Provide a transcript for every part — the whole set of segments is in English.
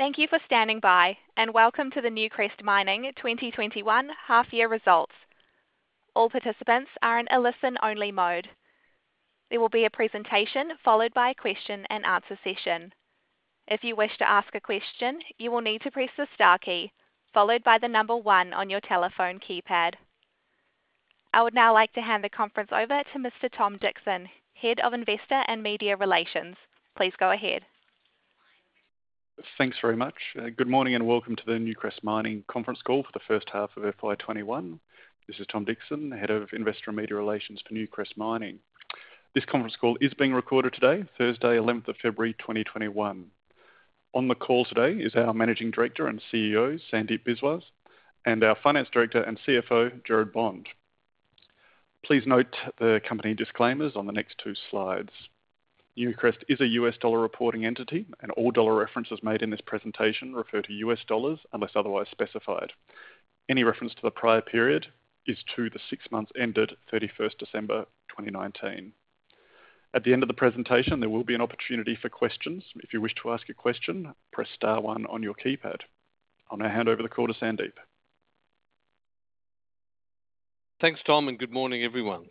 Thank you for standing by. Welcome to the Newcrest Mining 2021 half year results. All participants are in a listen-only mode. There will be a presentation followed by a question-and-answer session. If you wish to ask a question, you will need to press the star key followed by the number one on your telephone keypad. I would now like to hand the conference over to Mr. Tom Dixon, Head of Investor and Media Relations. Please go ahead. Thanks very much. Good morning, and welcome to the Newcrest Mining conference call for the first half of FY 2021. This is Tom Dixon, Head of Investor and Media Relations for Newcrest Mining. This conference call is being recorded today, Thursday, 11th of February, 2021. On the call today is our Managing Director and CEO, Sandeep Biswas, and our Finance Director and CFO, Gerard Bond. Please note the company disclaimers on the next two slides. Newcrest is a U.S. dollar reporting entity, and all dollar references made in this presentation refer to U.S. dollars unless otherwise specified. Any reference to the prior period is to the six months ended 31st December 2019. At the end of the presentation, there will be an opportunity for questions. If you wish to ask a question, press star-one on your keypad. I'll now hand over the call to Sandeep. Thanks, Tom. Good morning, everyone.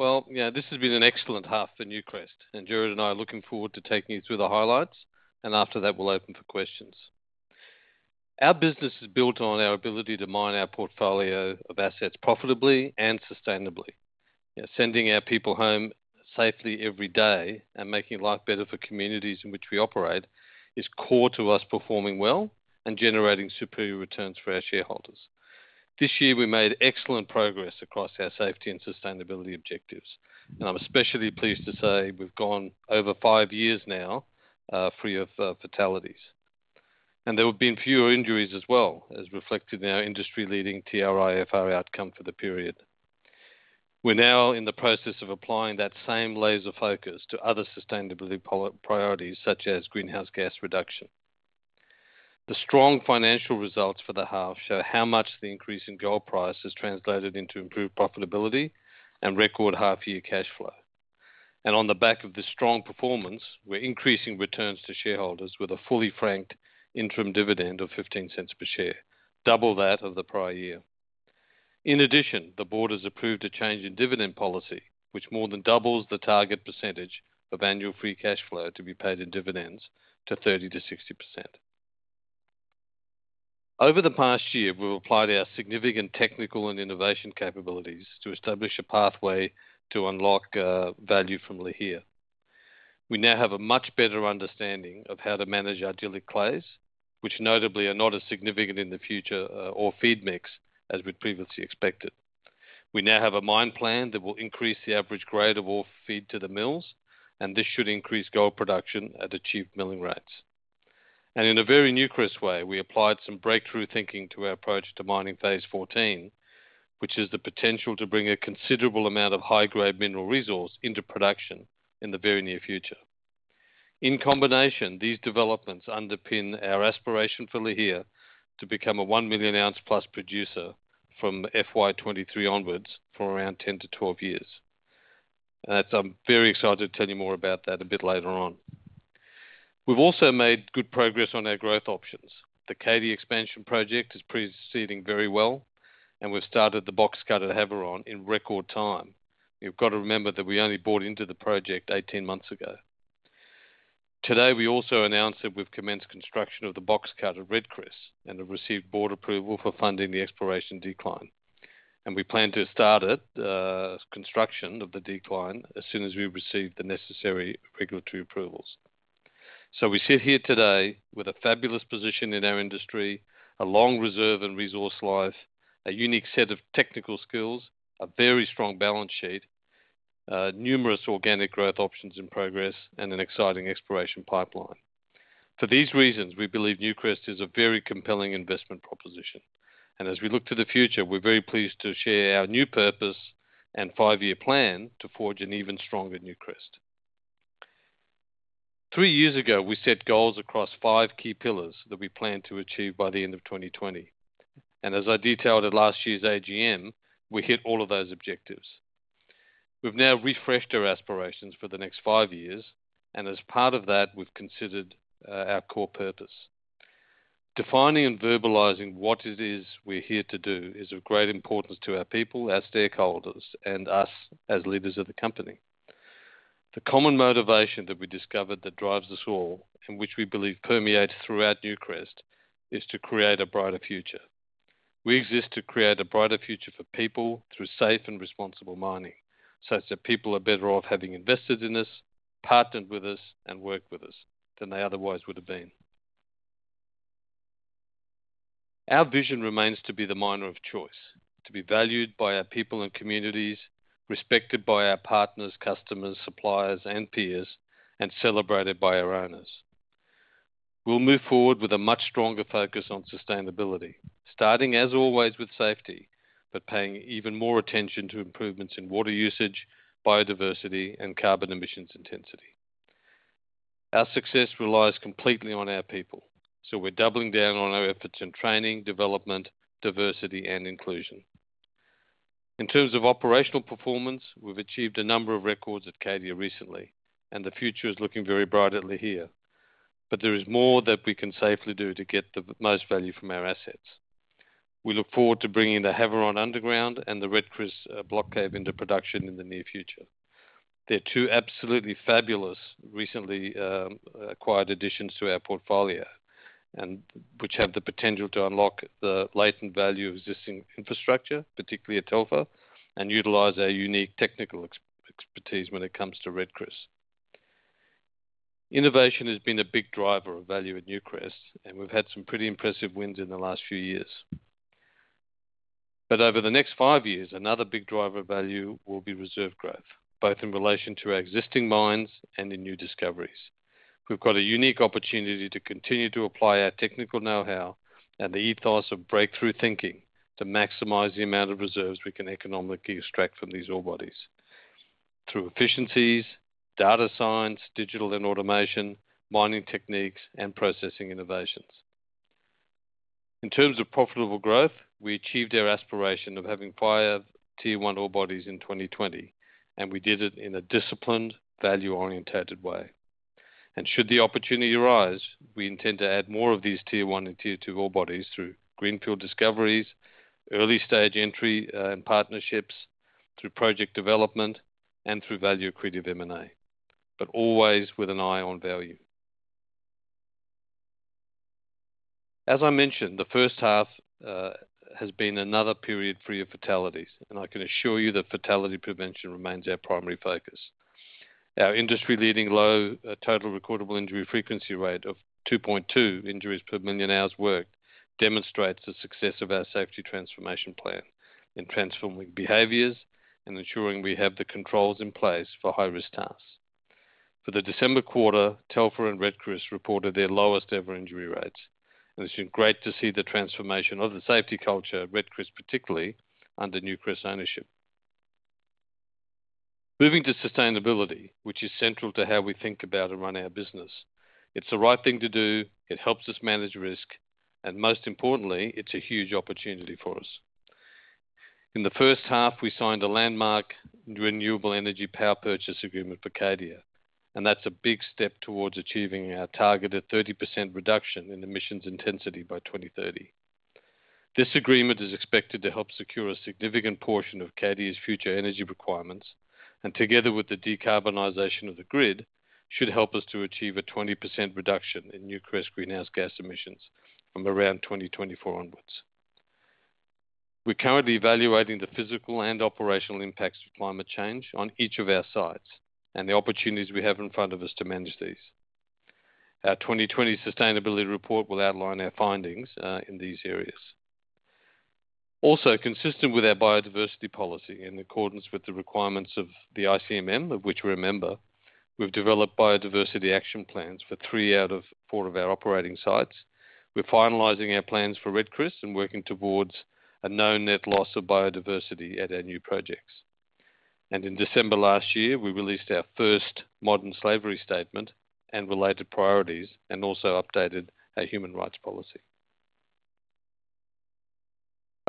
Well, this has been an excellent half for Newcrest. Gerard and I are looking forward to taking you through the highlights. After that, we'll open for questions. Our business is built on our ability to mine our portfolio of assets profitably and sustainably. Sending our people home safely every day and making life better for communities in which we operate is core to us performing well and generating superior returns for our shareholders. This year, we made excellent progress across our safety and sustainability objectives. I'm especially pleased to say we've gone over five years now free of fatalities. There have been fewer injuries as well, as reflected in our industry-leading TRIFR outcome for the period. We're now in the process of applying that same laser focus to other sustainability priorities, such as greenhouse gas reduction. The strong financial results for the half show how much the increase in gold price has translated into improved profitability and record half-year cash flow. On the back of this strong performance, we're increasing returns to shareholders with a fully franked interim dividend of $0.15 per share, double that of the prior year. In addition, the board has approved a change in dividend policy, which more than doubles the target percentage of annual free cash flow to be paid in dividends to 30%-60%. Over the past year, we've applied our significant technical and innovation capabilities to establish a pathway to unlock value from Lihir. We now have a much better understanding of how to manage argillite clays, which notably are not as significant in the future ore feed mix as we previously expected. We now have a mine plan that will increase the average grade of ore feed to the mills. This should increase gold production at achieved milling rates. In a very Newcrest way, we applied some breakthrough thinking to our approach to mining Phase 14, which has the potential to bring a considerable amount of high-grade mineral resource into production in the very near future. In combination, these developments underpin our aspiration for Lihir to become a 1 million ounces plus producer from FY 2023 onwards for around 10 to 12 years. I'm very excited to tell you more about that a bit later on. We've also made good progress on our growth options. The Cadia expansion project is proceeding very well, and we've started the box cut at Havieron in record time. You've got to remember that we only bought into the project 18 months ago. Today, we also announced that we've commenced construction of the box cut at Red Chris and have received board approval for funding the exploration decline. We plan to start construction of the decline as soon as we receive the necessary regulatory approvals. We sit here today with a fabulous position in our industry, a long reserve and resource life, a unique set of technical skills, a very strong balance sheet, numerous organic growth options in progress, and an exciting exploration pipeline. For these reasons, we believe Newcrest is a very compelling investment proposition. As we look to the future, we're very pleased to share our new purpose and five-year plan to forge an even stronger Newcrest. Three years ago, we set goals across five key pillars that we planned to achieve by the end of 2020. As I detailed at last year's AGM, we hit all of those objectives. We've now refreshed our aspirations for the next five years, and as part of that, we've considered our core purpose. Defining and verbalizing what it is we're here to do is of great importance to our people, our stakeholders, and us as leaders of the company. The common motivation that we discovered that drives us all, and which we believe permeates throughout Newcrest, is to create a brighter future. We exist to create a brighter future for people through safe and responsible mining, such that people are better off having invested in us, partnered with us and worked with us than they otherwise would have been. Our vision remains to be the miner of choice, to be valued by our people and communities, respected by our partners, customers, suppliers, and peers, and celebrated by our owners. We'll move forward with a much stronger focus on sustainability, starting as always with safety, but paying even more attention to improvements in water usage, biodiversity, and carbon emissions intensity. Our success relies completely on our people, so we're doubling down on our efforts in training, development, diversity, and inclusion. In terms of operational performance, we've achieved a number of records at Cadia recently, and the future is looking very bright at Lihir. There is more that we can safely do to get the most value from our assets. We look forward to bringing the Havieron Underground and the Red Chris Block Cave into production in the near future. They're two absolutely fabulous recently acquired additions to our portfolio, and which have the potential to unlock the latent value of existing infrastructure, particularly at Telfer, and utilize our unique technical expertise when it comes to Red Chris. Innovation has been a big driver of value at Newcrest, and we've had some pretty impressive wins in the last few years. Over the next 5 years, another big driver of value will be reserve growth, both in relation to our existing mines and in new discoveries. We've got a unique opportunity to continue to apply our technical know-how and the ethos of breakthrough thinking to maximize the amount of reserves we can economically extract from these ore bodies. Through efficiencies, data science, digital and automation, mining techniques, and processing innovations. In terms of profitable growth, we achieved our aspiration of having 5 tier 1 ore bodies in 2020, and we did it in a disciplined, value-orientated way. Should the opportunity arise, we intend to add more of these tier 1 and tier 2 ore bodies through greenfield discoveries, early-stage entry and partnerships, through project development, and through value-accretive M&A, but always with an eye on value. As I mentioned, the first half has been another period free of fatalities, and I can assure you that fatality prevention remains our primary focus. Our industry-leading low total recordable injury frequency rate of 2.2 injuries per million hours worked demonstrates the success of our safety transformation plan in transforming behaviors and ensuring we have the controls in place for high-risk tasks. For the December quarter, Telfer and Red Chris reported their lowest-ever injury rates, and it's been great to see the transformation of the safety culture at Red Chris, particularly, under Newcrest's ownership. Moving to sustainability, which is central to how we think about and run our business. It's the right thing to do. It helps us manage risk. Most importantly, it's a huge opportunity for us. In the first half, we signed a landmark renewable energy power purchase agreement for Cadia and that's a big step towards achieving our target of 30% reduction in emissions intensity by 2030. This agreement is expected to help secure a significant portion of Cadia's future energy requirements. Together with the decarbonization of the grid, should help us to achieve a 20% reduction in Newcrest greenhouse gas emissions from around 2024 onwards. We're currently evaluating the physical and operational impacts of climate change on each of our sites and the opportunities we have in front of us to manage these. Our 2020 sustainability report will outline our findings in these areas. Consistent with our biodiversity policy in accordance with the requirements of the ICMM, of which we're a member, we've developed biodiversity action plans for three out of four of our operating sites. We're finalizing our plans for Red Chris and working towards a known net loss of biodiversity at our new projects. In December last year, we released our first modern slavery statement and related priorities, and also updated our human rights policy.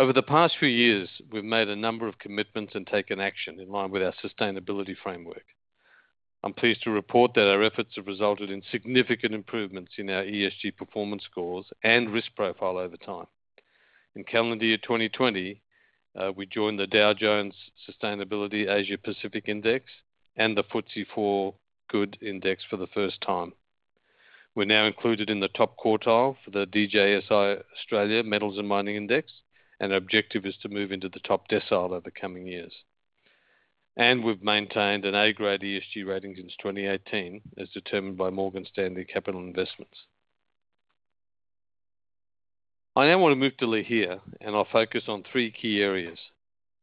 Over the past few years, we've made a number of commitments and taken action in line with our sustainability framework. I'm pleased to report that our efforts have resulted in significant improvements in our ESG performance scores and risk profile over time. In calendar year 2020, we joined the Dow Jones Sustainability Asia Pacific Index and the FTSE4Good Index for the first time. We're now included in the top quartile for the DJSI Australia Metals and Mining Index, our objective is to move into the top decile over coming years. We've maintained an A-grade ESG rating since 2018, as determined by MSCI. I now want to move to Lihir, I'll focus on three key areas.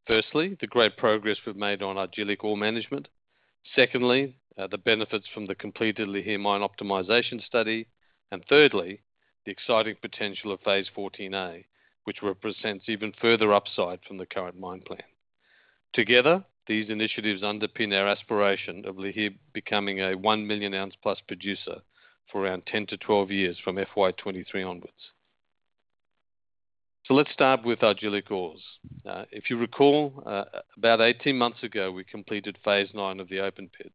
Firstly, the great progress we've made on argillic ore management. Secondly, the benefits from the completed Lihir Mine Optimisation Study. Thirdly, the exciting potential of Phase 14A, which represents even further upside from the current mine plan. Together, these initiatives underpin our aspiration of Lihir becoming a 1 million ounce-plus producer for around 10-12 years from FY 2023 onwards. Let's start with argillic ores. If you recall, about 18 months ago, we completed Phase 9 of the open pit,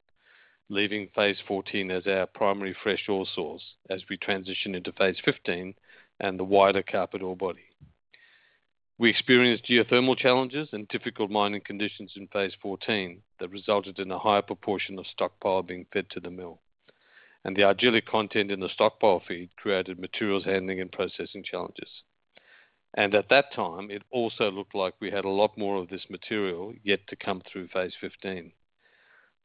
leaving Phase 14 as our primary fresh ore source as we transition into Phase 15 and the wider Kapit ore body. We experienced geothermal challenges and difficult mining conditions in Phase 14 that resulted in a higher proportion of stockpile being fed to the mill, and the argillic content in the stockpile feed created materials handling and processing challenges. At that time, it also looked like we had a lot more of this material yet to come through Phase 15.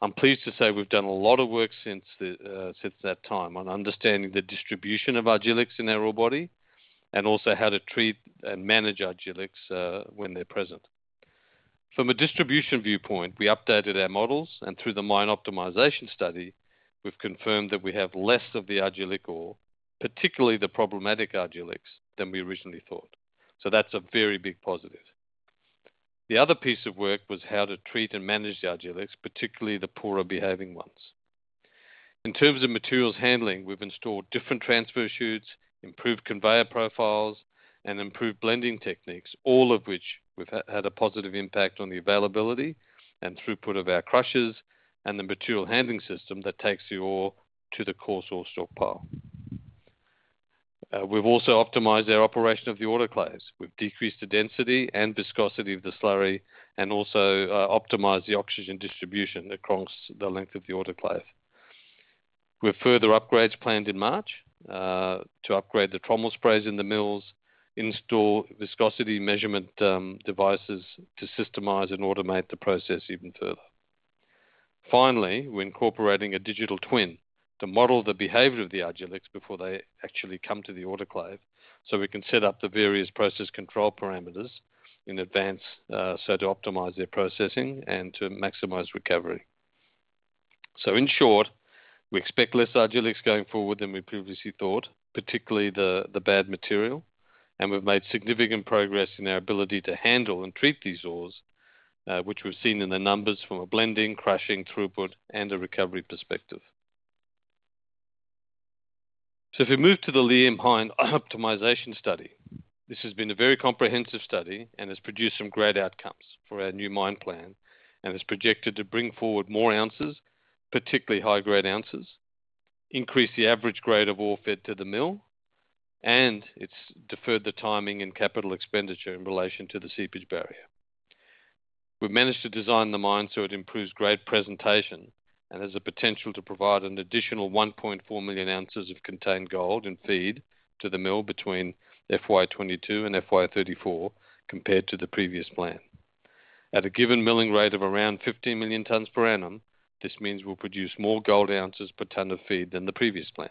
I'm pleased to say we've done a lot of work since that time on understanding the distribution of argillics in our ore body and also how to treat and manage argillics when they're present. From a distribution viewpoint, we updated our models, and through the Mine Optimization Study, we've confirmed that we have less of the argillic ore, particularly the problematic argillics, than we originally thought. That's a very big positive. The other piece of work was how to treat and manage the argillics, particularly the poorer behaving ones. In terms of materials handling, we've installed different transfer chutes, improved conveyor profiles, and improved blending techniques, all of which have had a positive impact on the availability and throughput of our crushers and the material handling system that takes the ore to the coarse ore stockpile. We've also optimized our operation of the autoclaves. We've decreased the density and viscosity of the slurry, and also optimized the oxygen distribution across the length of the autoclave. We have further upgrades planned in March to upgrade the trommel sprays in the mills, install viscosity measurement devices to systemize and automate the process even further. Finally, we're incorporating a digital twin to model the behavior of the argillites before they actually come to the autoclaves, so we can set up the various process control parameters in advance, to optimize their processing and to maximize recovery. In short, we expect less argillites going forward than we previously thought, particularly the bad material, and we've made significant progress in our ability to handle and treat these ores, which we've seen in the numbers from a blending, crushing throughput, and a recovery perspective. If we move to the Lihir Mine Optimisation Study. This has been a very comprehensive study and has produced some great outcomes for our new mine plan, is projected to bring forward more ounces, particularly high-grade ounces, increase the average grade of ore fed to the mill, and it's deferred the timing and capital expenditure in relation to the seepage barrier. We've managed to design the mine so it improves grade presentation and has the potential to provide an additional 1.4 million ounces of contained gold in feed to the mill between FY 2023 and FY 2034, compared to the previous plan. At a given milling rate of around 15 million tonnes per annum, this means we'll produce more gold ounces per tonne of feed than the previous plan.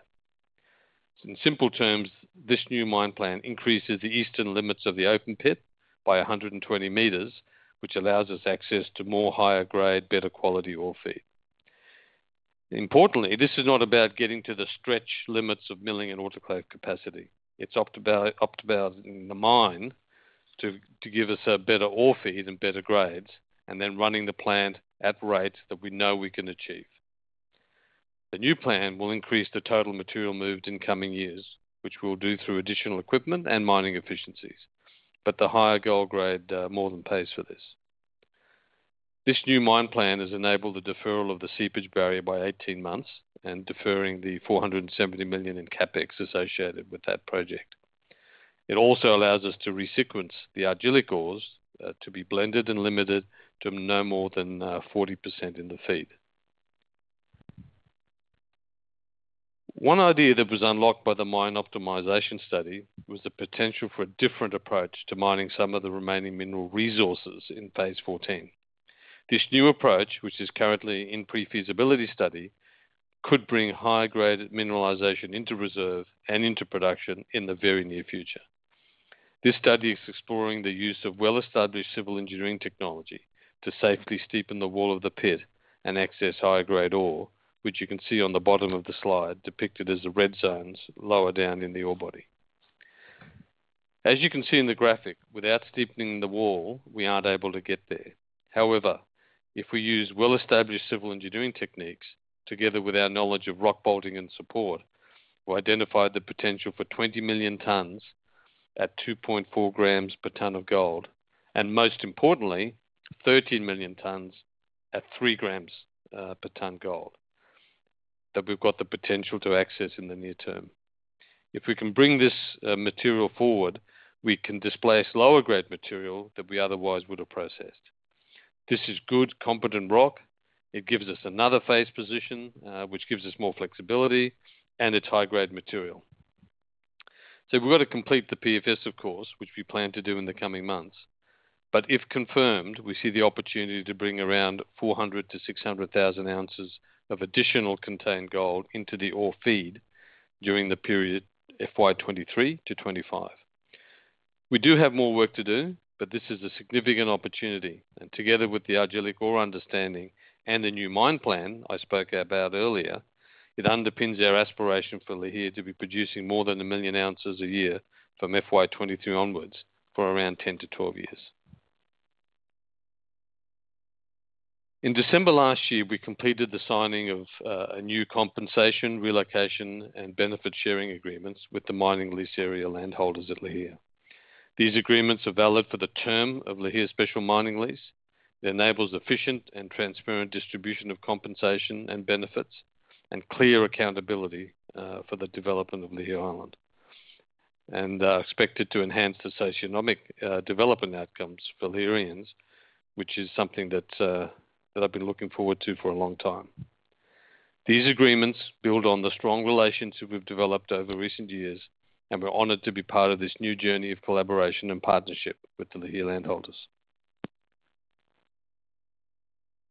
In simple terms, this new mine plan increases the eastern limits of the open pit by 120 meters, which allows us access to more higher grade, better quality ore feed. Importantly, this is not about getting to the stretch limits of milling and autoclave capacity. It's optimizing the mine to give us a better ore feed and better grades, and then running the plant at rates that we know we can achieve. The new plan will increase the total material moved in coming years, which we'll do through additional equipment and mining efficiencies, but the higher gold grade more than pays for this. This new mine plan has enabled the deferral of the seepage barrier by 18 months and deferring the $470 million in CapEx associated with that project. It also allows us to resequence the argillite ores to be blended and limited to no more than 40% in the feed. One idea that was unlocked by the Mine Optimization Study was the potential for a different approach to mining some of the remaining mineral resources in Phase 14. This new approach, which is currently in pre-feasibility study, could bring high-grade mineralization into reserve and into production in the very near future. This study is exploring the use of well-established civil engineering technology to safely steepen the wall of the pit and access high-grade ore, which you can see on the bottom of the slide, depicted as the red zones lower down in the ore body. As you can see in the graphic, without steepening the wall, we aren't able to get there. However, if we use well-established civil engineering techniques together with our knowledge of rock bolting and support, we identified the potential for 20 million tonnes at 2.4 grams per tonne of gold, and most importantly, 13 million tonnes at 3 grams per tonne gold that we've got the potential to access in the near term. If we can bring this material forward, we can displace lower-grade material that we otherwise would have processed. This is good, competent rock. It gives us another face position, which gives us more flexibility, and it's high-grade material. We've got to complete the PFS, of course, which we plan to do in the coming months. If confirmed, we see the opportunity to bring around 400,000 to 600,000 ounces of additional contained gold into the ore feed during the period FY 2023 to 2025. We do have more work to do, but this is a significant opportunity, and together with the argillite ore understanding and the new mine plan I spoke about earlier, it underpins our aspiration for Lihir to be producing more than a million ounces a year from FY 2022 onwards for around 10 to 12 years. In December last year, we completed the signing of new compensation, relocation, and benefit sharing agreements with the mining lease area landholders at Lihir. These agreements are valid for the term of Lihir Special Mining Lease, that enables efficient and transparent distribution of compensation and benefits and clear accountability for the development of Lihirians, and are expected to enhance the socioeconomic development outcomes for Lihirians, which is something that they've been looking forward to for a long time. These agreements build on the strong relationship we've developed over recent years, and we're honored to be part of this new journey of collaboration and partnership with the Lihir landholders.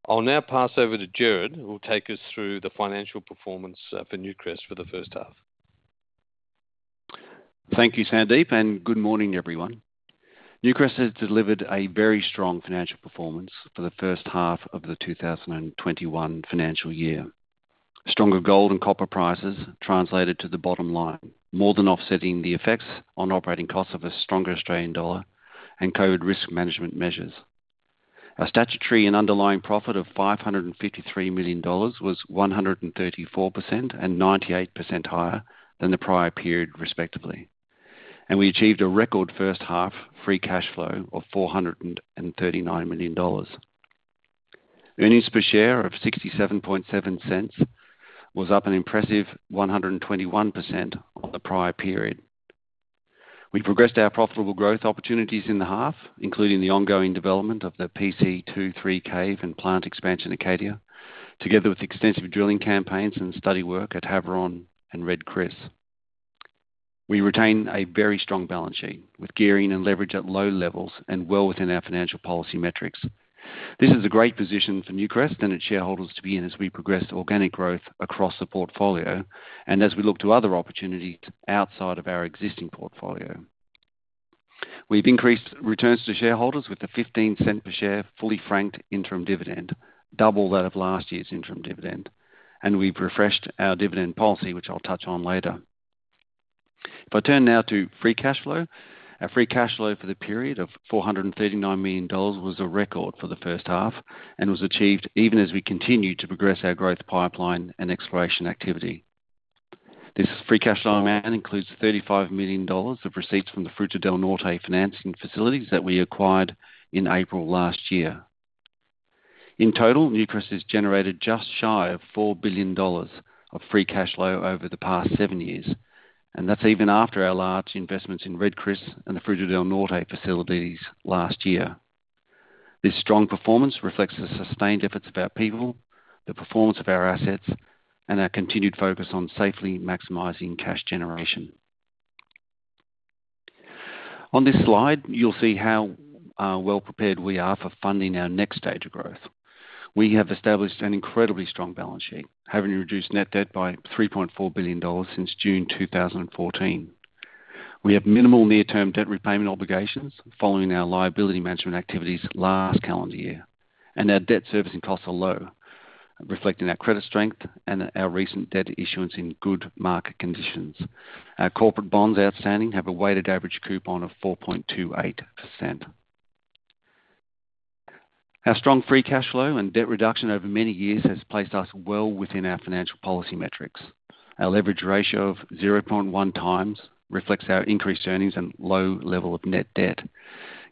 I'll now pass over to Gerard, who will take us through the financial performance for Newcrest for the first half. Thank you, Sandeep, and good morning, everyone. Newcrest has delivered a very strong financial performance for the first half of the 2021 financial year. Stronger gold and copper prices translated to the bottom line, more than offsetting the effects on operating costs of a stronger Australian dollar and COVID risk management measures. Our statutory and underlying profit of $553 million was 134% and 98% higher than the prior period, respectively. We achieved a record first half free cash flow of $439 million. Earnings per share of $0.677 was up an impressive 121% on the prior period. We progressed our profitable growth opportunities in the half, including the ongoing development of the PC2-3 cave and plant expansion at Cadia, together with extensive drilling campaigns and study work at Havieron and Red Chris. We retain a very strong balance sheet with gearing and leverage at low levels and well within our financial policy metrics. This is a great position for Newcrest and its shareholders to be in as we progress organic growth across the portfolio and as we look to other opportunities outside of our existing portfolio. We've increased returns to shareholders with a $0.15 per share fully franked interim dividend, double that of last year's interim dividend, and we've refreshed our dividend policy, which I'll touch on later. If I turn now to free cash flow. Our free cash flow for the period of $439 million was a record for the first half and was achieved even as we continue to progress our growth pipeline and exploration activity. This free cash flow amount includes $35 million of receipts from the Fruta del Norte financing facilities that we acquired in April last year. In total, Newcrest has generated just shy of $4 billion of free cash flow over the past seven years, and that's even after our large investments in Red Chris and the Fruta del Norte facilities last year. This strong performance reflects the sustained efforts of our people, the performance of our assets, and our continued focus on safely maximizing cash generation. On this slide, you'll see how well-prepared we are for funding our next stage of growth. We have established an incredibly strong balance sheet, having reduced net debt by $3.4 billion since June 2014. We have minimal near-term debt repayment obligations following our liability management activities last calendar year, and our debt servicing costs are low, reflecting our credit strength and our recent debt issuance in good market conditions. Our corporate bonds outstanding have a weighted average coupon of 4.28%. Our strong free cash flow and debt reduction over many years has placed us well within our financial policy metrics. Our leverage ratio of 0.1 times reflects our increased earnings and low level of net debt.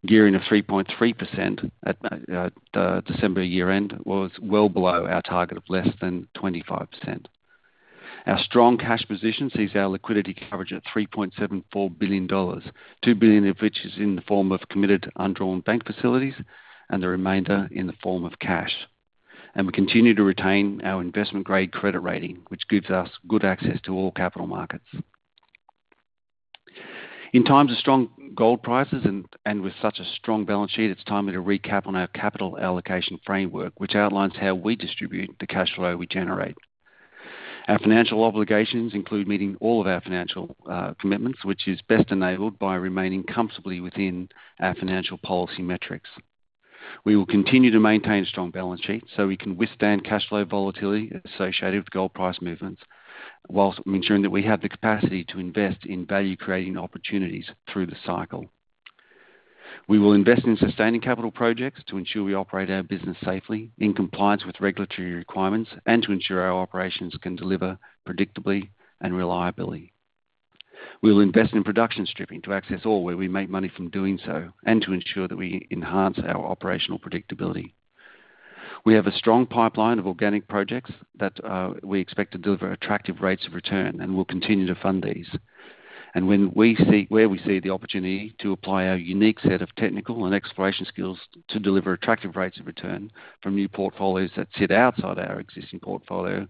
Gearing of 3.3% at the December year-end was well below our target of less than 25%. Our strong cash position sees our liquidity coverage at $3.74 billion, $2 billion of which is in the form of committed undrawn bank facilities and the remainder in the form of cash. We continue to retain our investment-grade credit rating, which gives us good access to all capital markets. In times of strong gold prices and with such a strong balance sheet, it's timely to recap on our capital allocation framework, which outlines how we distribute the cash flow we generate. Our financial obligations include meeting all of our financial commitments, which is best enabled by remaining comfortably within our financial policy metrics. We will continue to maintain a strong balance sheet so we can withstand cash flow volatility associated with gold price movements, whilst ensuring that we have the capacity to invest in value-creating opportunities through the cycle. We will invest in sustaining capital projects to ensure we operate our business safely, in compliance with regulatory requirements, and to ensure our operations can deliver predictably and reliably. We will invest in production stripping to access ore where we make money from doing so and to ensure that we enhance our operational predictability. We have a strong pipeline of organic projects that we expect to deliver attractive rates of return, and we'll continue to fund these. Where we see the opportunity to apply our unique set of technical and exploration skills to deliver attractive rates of return from new portfolios that sit outside our existing portfolio,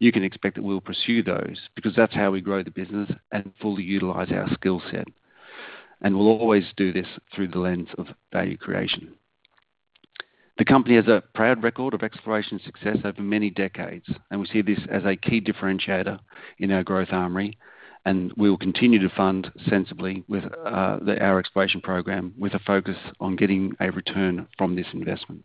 you can expect that we'll pursue those, because that's how we grow the business and fully utilize our skill set. We'll always do this through the lens of value creation. The company has a proud record of exploration success over many decades, and we see this as a key differentiator in our growth armory, and we will continue to fund sensibly our exploration program with a focus on getting a return from this investment.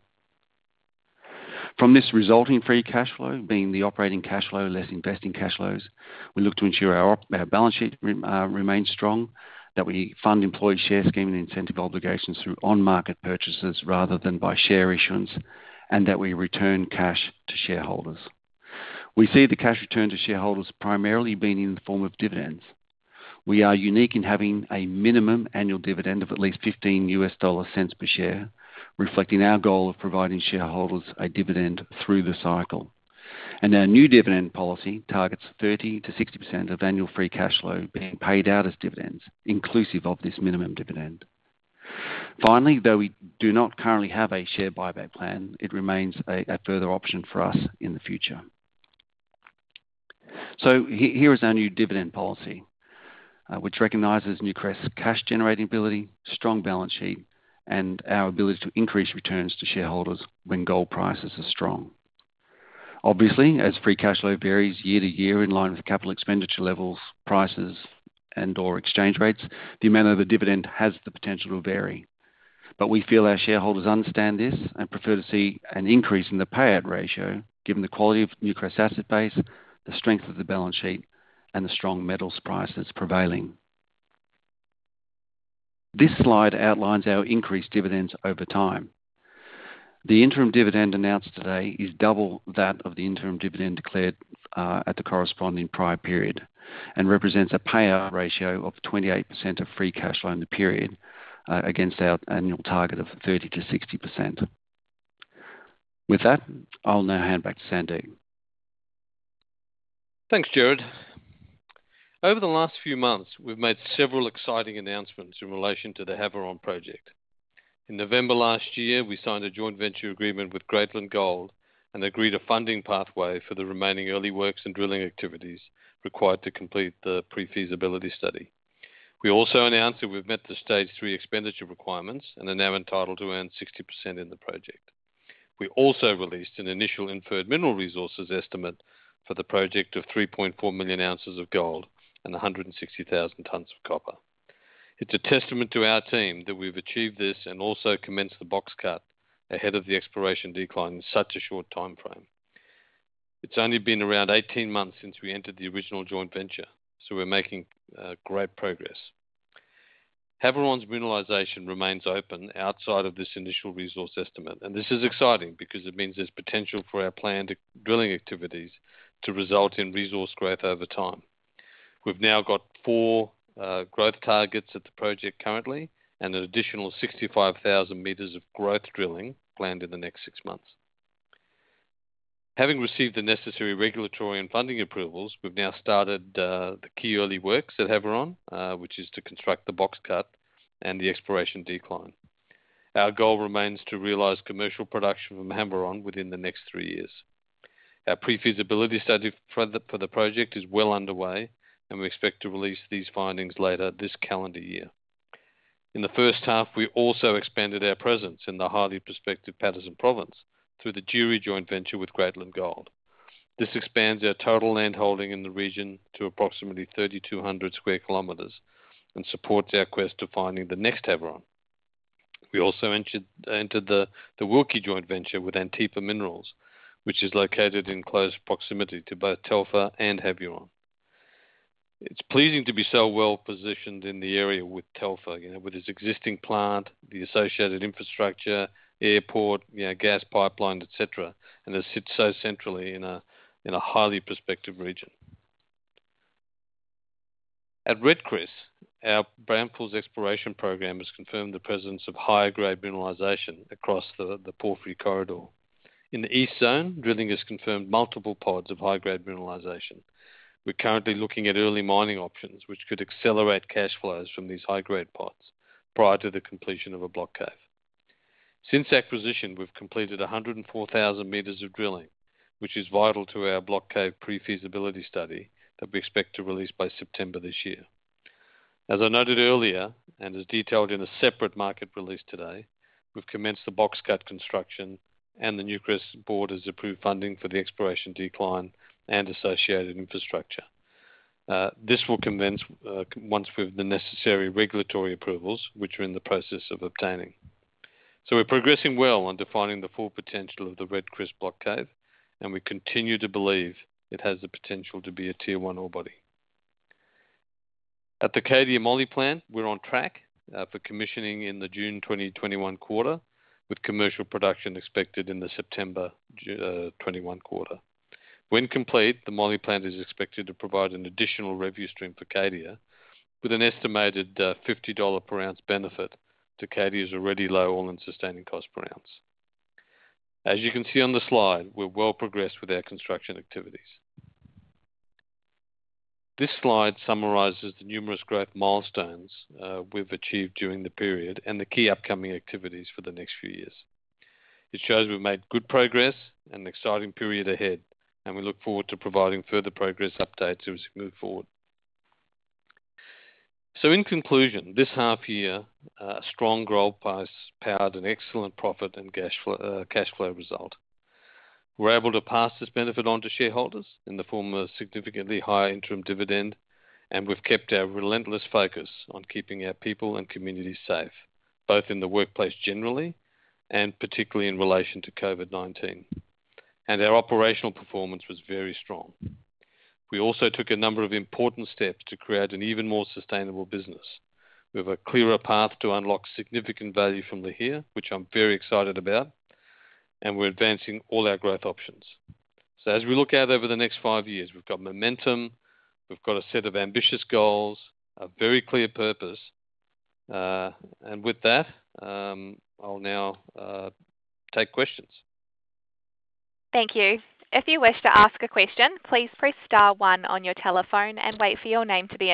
From this resulting free cash flow, being the operating cash flow less investing cash flows, we look to ensure our balance sheet remains strong, that we fund employee share scheme and incentive obligations through on-market purchases rather than by share issuance, and that we return cash to shareholders. We see the cash return to shareholders primarily being in the form of dividends. We are unique in having a minimum annual dividend of at least $0.15 per share, reflecting our goal of providing shareholders a dividend through the cycle. Our new dividend policy targets 30%-60% of annual free cash flow being paid out as dividends, inclusive of this minimum dividend. Finally, though we do not currently have a share buyback plan, it remains a further option for us in the future. Here is our new dividend policy, which recognizes Newcrest's cash generating ability, strong balance sheet, and our ability to increase returns to shareholders when gold prices are strong. Obviously, as free cash flow varies year-to-year in line with capital expenditure levels, prices, and/or exchange rates, the amount of the dividend has the potential to vary. We feel our shareholders understand this and prefer to see an increase in the payout ratio given the quality of Newcrest's asset base, the strength of the balance sheet, and the strong metals prices prevailing. This slide outlines our increased dividends over time. The interim dividend announced today is double that of the interim dividend declared at the corresponding prior period, and represents a payout ratio of 28% of free cash flow in the period against our annual target of 30%-60%. With that, I'll now hand back to Sandeep. Thanks, Gerard. Over the last few months, we've made several exciting announcements in relation to the Havieron Project. In November last year, we signed a joint venture agreement with Greatland Gold and agreed a funding pathway for the remaining early works and drilling activities required to complete the pre-feasibility study. We also announced that we've met the stage 3 expenditure requirements and are now entitled to own 60% in the project. We also released an initial inferred mineral resources estimate for the project of 3.4 million ounces of gold and 160,000 tonnes of copper. It's a testament to our team that we've achieved this and also commenced the box cut ahead of the exploration decline in such a short timeframe. It's only been around 18 months since we entered the original joint venture, so we're making great progress. Havieron's mineralization remains open outside of this initial resource estimate and this is exciting because it means there's potential for our planned drilling activities to result in resource growth over time. We've now got four growth targets at the project currently. An additional 65,000 meters of growth drilling planned in the next 6 months. Having received the necessary regulatory and funding approvals, we've now started the key early works at Havieron, which is to construct the box cut and the exploration decline. Our goal remains to realize commercial production from Havieron within the next 3 years. Our pre-feasibility study for the project is well underway and we expect to release these findings later this calendar year. In the first half, we also expanded our presence in the highly prospective Paterson Province through the Juri joint venture with Greatland Gold. This expands our total landholding in the region to approximately 3,200 square kilometers and supports our quest to finding the next Havieron. We also entered the Wilki joint venture with Antipa Minerals, which is located in close proximity to both Telfer and Havieron. It's pleasing to be so well-positioned in the area with Telfer, with its existing plant, the associated infrastructure, airport, gas pipelines, et cetera, and it sits so centrally in a highly prospective region. At Red Chris, our Brownfields exploration program has confirmed the presence of higher-grade mineralization across the porphyry corridor. In the East Zone, drilling has confirmed multiple pods of high-grade mineralization. We're currently looking at early mining options, which could accelerate cash flows from these high-grade pods prior to the completion of a block cave. Since acquisition, we've completed 104,000 meters of drilling, which is vital to our block cave pre-feasibility study that we expect to release by September this year. As I noted earlier, and as detailed in a separate market release today, we've commenced the box cut construction and the Newcrest board has approved funding for the exploration decline and associated infrastructure. This will commence once we have the necessary regulatory approvals, which we're in the process of obtaining. We're progressing well on defining the full potential of the Red Chris block cave, and we continue to believe it has the potential to be a tier 1 ore body. At the Cadia moly plant, we're on track for commissioning in the June 2021 quarter, with commercial production expected in the September 2021 quarter. When complete, the moly plant is expected to provide an additional revenue stream for Cadia with an estimated $50 per ounce benefit to Cadia's already low all-in sustaining cost per ounce. As you can see on the slide, we're well progressed with our construction activities. This slide summarizes the numerous growth milestones we've achieved during the period and the key upcoming activities for the next few years. It shows we've made good progress and an exciting period ahead. We look forward to providing further progress updates as we move forward. In conclusion, this half year, strong gold prices powered an excellent profit and cash flow result. We're able to pass this benefit on to shareholders in the form of a significantly higher interim dividend. We've kept our relentless focus on keeping our people and communities safe, both in the workplace generally and particularly in relation to COVID-19. Our operational performance was very strong. We also took a number of important steps to create an even more sustainable business. We have a clearer path to unlock significant value from Lihir, which I'm very excited about, and we're advancing all our growth options. As we look out over the next five years, we've got momentum, we've got a set of ambitious goals, a very clear purpose. With that, I'll now take questions. Thank you. If you wish to ask a question, please press star one on your telephone Thank you.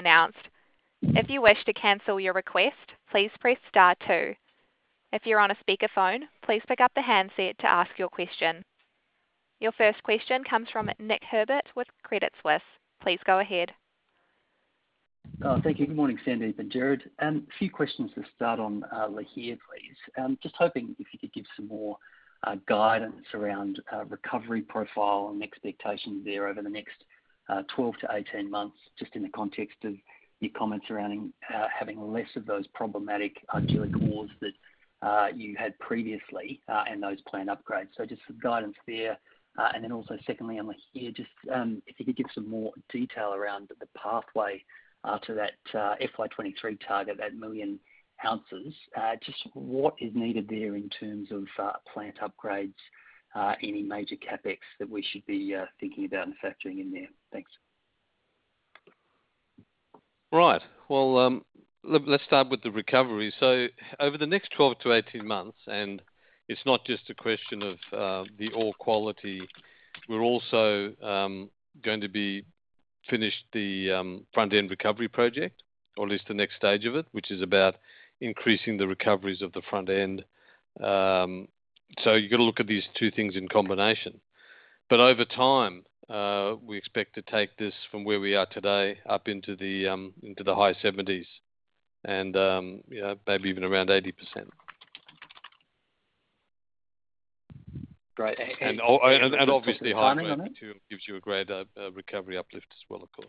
Good morning, Sandeep and Gerard. A few questions to start on Lihir, please. Just hoping if you could give some more guidance around recovery profile and expectations there over the next 12-18 months, just in the context of your comments around having less of those problematic argillics ores that you had previously in those plant upgrades. Just some guidance there. Also secondly, I want to hear if you could give some more detail around the pathway to that FY 2023 target, that 1 million ounces. Just what is needed there in terms of plant upgrades, any major CapEx that we should be thinking about and factoring in there? Thanks. Right. Well, let's start with the recovery. Over the next 12-18 months, and it's not just a question of the ore quality, we're also going to be finished the Front-End Recovery Project, or at least the next stage of it, which is about increasing the recoveries of the front end. You got to look at these two things in combination. Over time, we expect to take this from where we are today up into the high 70s and, maybe even around 80%. Great. Obviously, high grade material gives you a great recovery uplift as well, of course.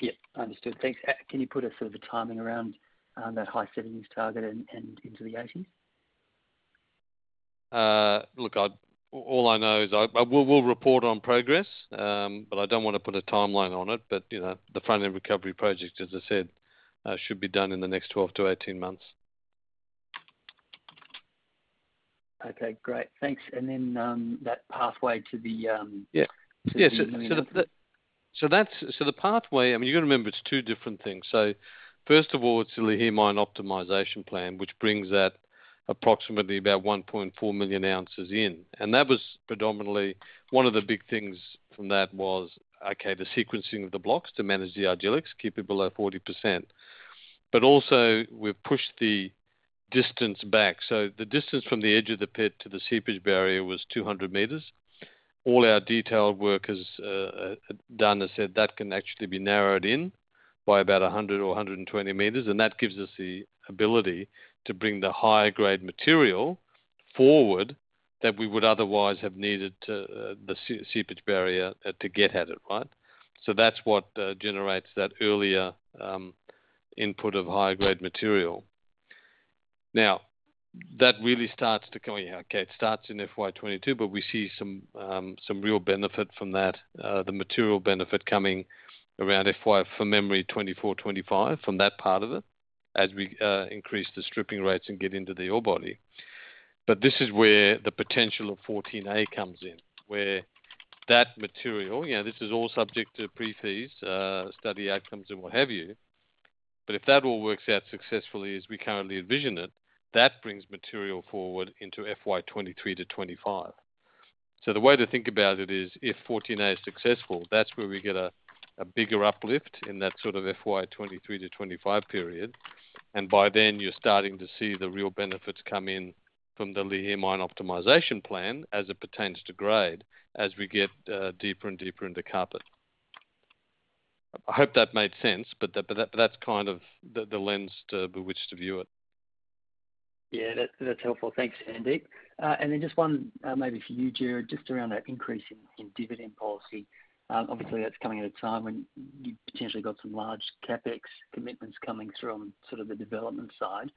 Yeah. Understood. Thanks. Can you put a sort of timing around that high 70s target and into the 80s? Look, all I know is -- we'll report on progress, but I don't want to put a timeline on it. The front-end recovery project, as I said, should be done in the next 12 to 18 months. Okay, great. Thanks. Then that pathway to the. Yeah. The pathway, you got to remember, it's two different things. First of all, it's the Lihir optimization plan, which brings that approximately about 1.4 million ounces in. That was predominantly one of the big things from that was, okay, the sequencing of the blocks to manage the argillites, keep it below 40%. Also we've pushed the distance back. The distance from the edge of the pit to the seepage barrier was 200 meters. All our detailed work is done and said that can actually be narrowed in by about 100 or 120 meters, and that gives us the ability to bring the higher grade material forward that we would otherwise have needed to the seepage barrier to get at it, right? That's what generates that earlier input of high-grade material. Now, that really starts to come in. Okay, it starts in FY 2022, but we see some real benefit from that, the material benefit coming around FY, from memory, 2024, 2025, from that part of it, as we increase the stripping rates and get into the ore body. This is where the potential of Phase 14A comes in, where that material, this is all subject to PFS, study outcomes and what have you, but if that all works out successfully as we currently envision it, that brings material forward into FY 2023 to 2025. The way to think about it is if Phase 14A is successful, that's where we get a bigger uplift in that FY 2023 to 2025 period. By then you're starting to see the real benefits come in from the Lihir mine optimization plan as it pertains to grade, as we get deeper and deeper into Kapit. I hope that made sense, but that's kind of the lens to which to view it. Yeah. That's helpful. Thanks, Sandeep. Just one maybe for you, Gerard, just around that increase in dividend policy. Obviously, that's coming at a time when you've potentially got some large CapEx commitments coming through on the development side.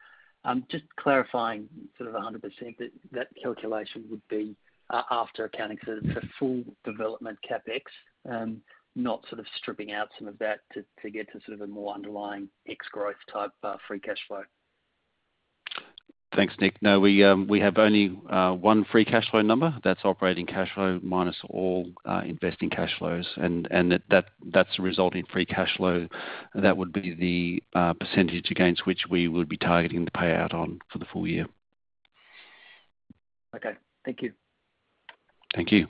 Just clarifying sort of 100% that calculation would be after accounting for full development CapEx, not stripping out some of that to get to sort of a more underlying X growth type, free cash flow. Thanks, Nick. No, we have only one free cash flow number. That's operating cash flow minus all investing cash flows, and that's the resulting free cash flow. That would be the percentage against which we would be targeting the payout on for the full year. Okay. Thank you. Thank you.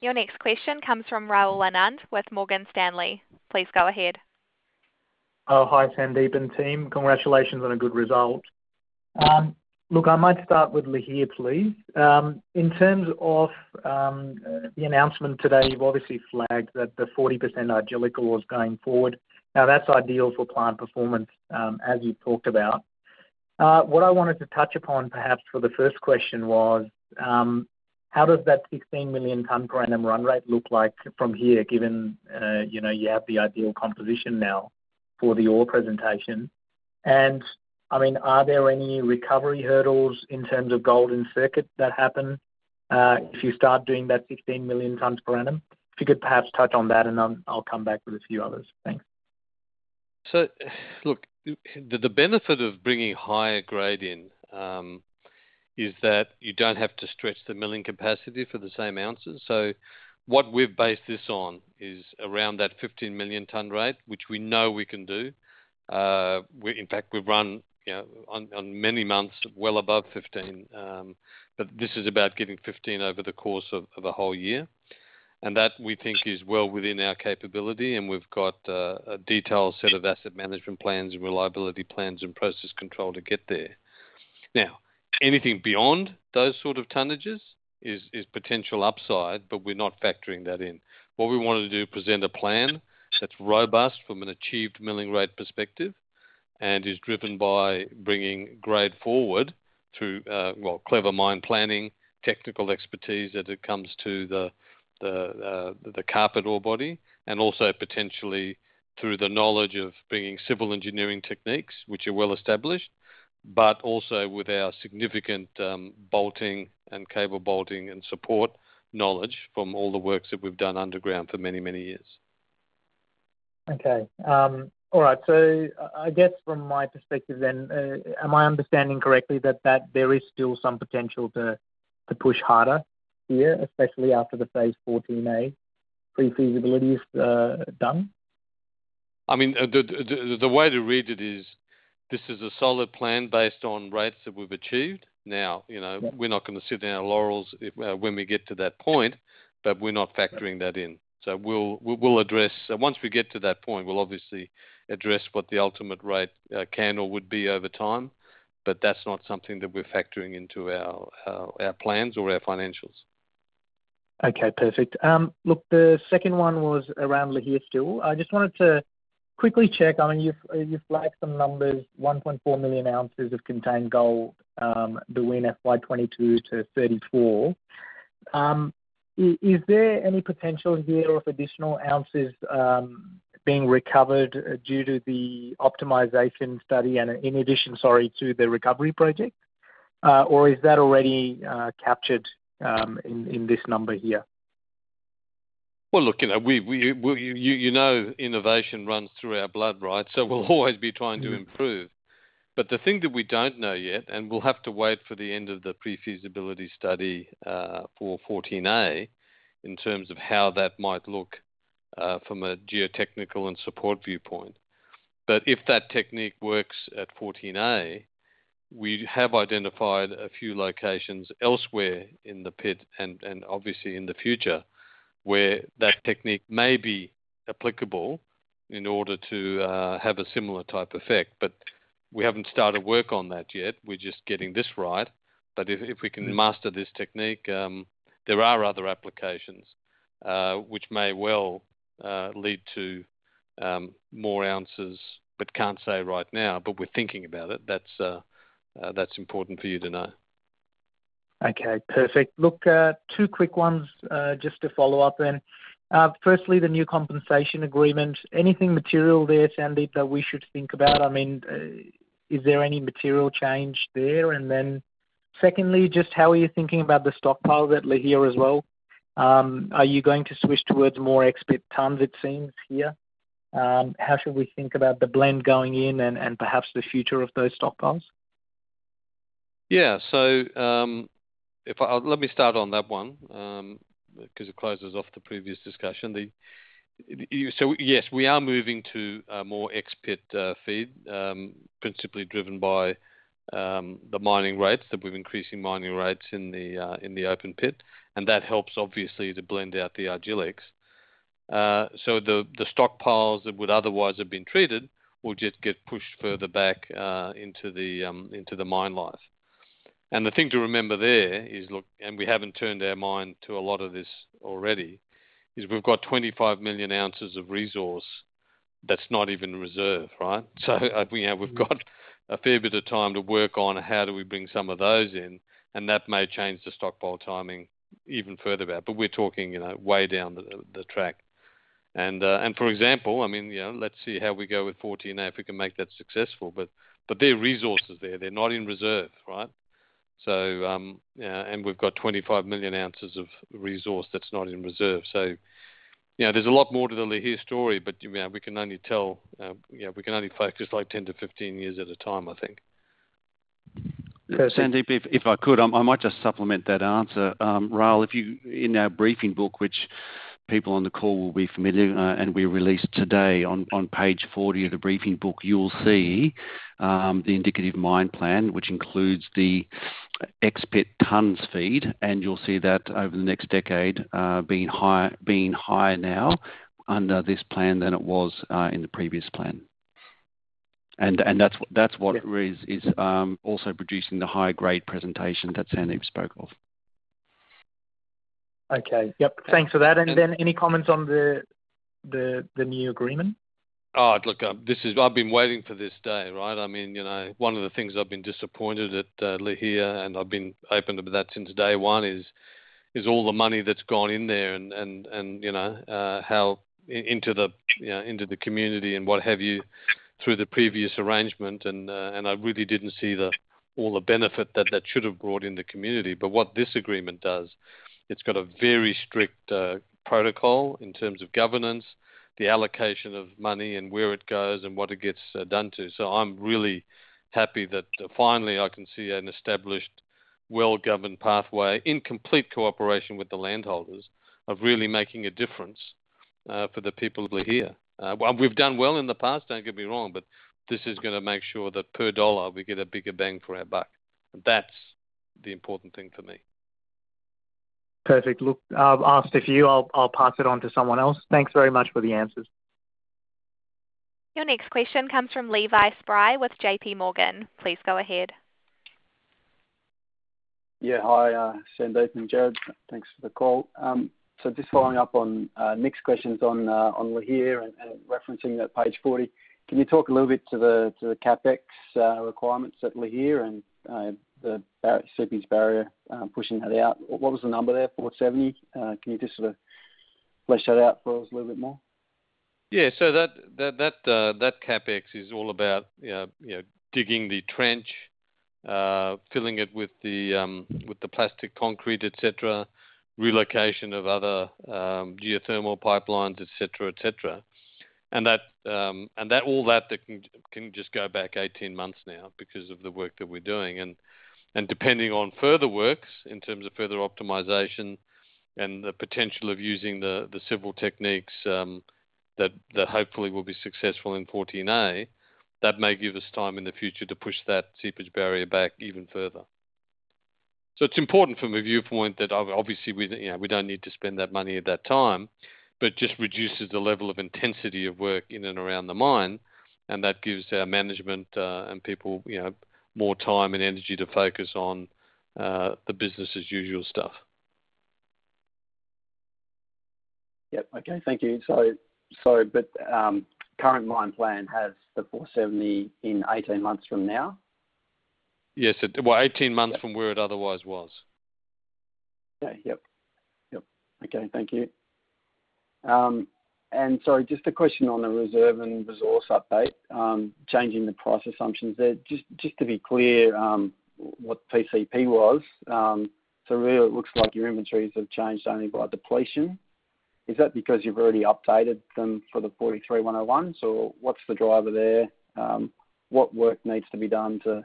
Your next question comes from Rahul Anand with Morgan Stanley. Please go ahead. Hi, Sandeep and team. Congratulations on a good result. Look, I might start with Lihir, please. In terms of the announcement today, you've obviously flagged that the 40% argillite was going forward. That's ideal for plant performance, as you've talked about. What I wanted to touch upon, perhaps for the first question was, how does that 16 million tonnes per annum run rate look like from here, given you have the ideal composition now for the ore presentation? Are there any recovery hurdles in terms of gold in circuit that happen, if you start doing that 16 million tonnes per annum? If you could perhaps touch on that and I'll come back with a few others. Thanks. Look, the benefit of bringing higher grade in, is that you don't have to stretch the milling capacity for the same ounces. What we've based this on is around that 15 million ton rate, which we know we can do. In fact, we've run on many months well above 15. This is about getting 15 over the course of the whole year. That we think is well within our capability, and we've got a detailed set of asset management plans and reliability plans and process control to get there. Anything beyond those sort of tonnages is potential upside, but we're not factoring that in. What we want to do is present a plan that's robust from an achieved milling rate perspective and is driven by bringing grade forward to clever mine planning, technical expertise as it comes to the Kapit ore body, and also potentially through the knowledge of being civil engineering techniques, which are well-established, but also with our significant bolting and cable bolting and support knowledge from all the works that we've done underground for many, many years. Okay. All right. I guess from my perspective then, am I understanding correctly that there is still some potential to push harder here, especially after the Phase 14A pre-feasibility is done? The way to read it is, this is a solid plan based on rates that we've achieved. Now, we're not going to sit on our laurels when we get to that point, but we're not factoring that in. Once we get to that point, we'll obviously address what the ultimate rate can or would be over time, but that's not something that we're factoring into our plans or our financials. Okay, perfect. Look, the second one was around Lihir still. I just wanted to quickly check on, you flagged some numbers, 1.4 million ounces of contained gold between FY 2022 to 2034. Is there any potential here of additional ounces being recovered due to the optimization study and in addition, sorry, to the recovery project, or is that already captured in this number here? Well, look, you know innovation runs through our blood, right? We'll always be trying to improve. The thing that we don't know yet, and we'll have to wait for the end of the pre-feasibility study for 14A, in terms of how that might look from a geotechnical and support viewpoint. If that technique works at 14A, we have identified a few locations elsewhere in the pit and obviously in the future where that technique may be applicable in order to have a similar type effect. We haven't started work on that yet. We're just getting this right. If we can master this technique, there are other applications, which may well lead to more ounces, but can't say right now, but we're thinking about it. That's important for you to know. Okay, perfect. Look, two quick ones, just to follow up then. Firstly, the new compensation agreement. Anything material there, Sandeep, that we should think about? Is there any material change there? Secondly, just how are you thinking about the stockpile at Lihir as well? Are you going to switch towards more ex-pit tonnes it seems here? How should we think about the blend going in and perhaps the future of those stockpiles? Yeah. Let me start on that one, because it closes off the previous discussion. Yes, we are moving to a more ex-pit feed, principally driven by the mining rates, that we're increasing mining rates in the open pit, and that helps obviously to blend out the argillites. The stockpiles that would otherwise have been treated will just get pushed further back into the mine life. The thing to remember there is, look, and we haven't turned our mind to a lot of this already, is we've got 25 million ounces of resource that's not even reserved, right? We've got a fair bit of time to work on how do we bring some of those in, and that may change the stockpile timing even further out. We're talking way down the track. For example, let's see how we go with 14A, if we can make that successful. They're resources there. They're not in reserve, right? We've got 25 million ounces of resource that's not in reserve. There's a lot more to the Lihir story, but we can only focus like 10 to 15 years at a time, I think. Yeah. Sandeep, if I could, I might just supplement that answer. Rahul, in our briefing book, which people on the call will be familiar with and we released today on page 40 of the briefing book, you'll see the indicative mine plan, which includes the ex-pit tons feed, you'll see that over the next decade, being higher now under this plan than it was in the previous plan. That's what it is, it's also producing the high-grade presentation that Sandeep spoke of. Okay. Yep. Thanks for that. Any comments on the new agreement? Oh, look, I've been waiting for this day, right? One of the things I've been disappointed at Lihir, and I've been open about that since day one, is all the money that's gone in there and into the community and what have you through the previous arrangement, and I really didn't see all the benefit that that should have brought in the community. What this agreement does, it's got a very strict protocol in terms of governance, the allocation of money and where it goes and what it gets done to. I'm really happy that finally I can see an established well-governed pathway in complete cooperation with the land holders of really making a difference for the people of Lihir. We've done well in the past, don't get me wrong, but this is going to make sure that per dollar, we get a bigger bang for our buck. That's the important thing for me. Perfect. Look, after you, I'll pass it on to someone else. Thanks very much for the answers. Your next question comes from Levi Spry with JPMorgan. Please go ahead. Yeah. Hi, Sandeep and Gerard. Thanks for the call. Just following up on Nick's questions on Lihir and referencing that page 40. Can you talk a little bit to the CapEx requirements at Lihir and the seepage barrier pushing that out? What was the number there? $470? Can you just flesh that out for us a little bit more? Yeah. That CapEx is all about digging the trench, filling it with the plastic concrete, et cetera, relocation of other geothermal pipelines, et cetera. All that can just go back 18 months now because of the work that we're doing. Depending on further works in terms of further optimization and the potential of using the simple techniques that hopefully will be successful in 14A, that may give us time in the future to push that seepage barrier back even further. It's important from a viewpoint that obviously we don't need to spend that money at that time, but just reduces the level of intensity of work in and around the mine, and that gives our management and people, you know, more time and energy to focus on the business as usual stuff. Yep. Okay. Thank you. Sorry, current mine plan has the 470 in 18 months from now? Yes. Well, 18 months from where it otherwise was. Okay. Yep. Okay. Thank you. Sorry, just a question on the reserve and resource update, changing the price assumptions there. Just to be clear what PCP was. Really it looks like your inventories have changed only by depletion. Is that because you've already updated them for the NI 43-101? What's the driver there? What work needs to be done to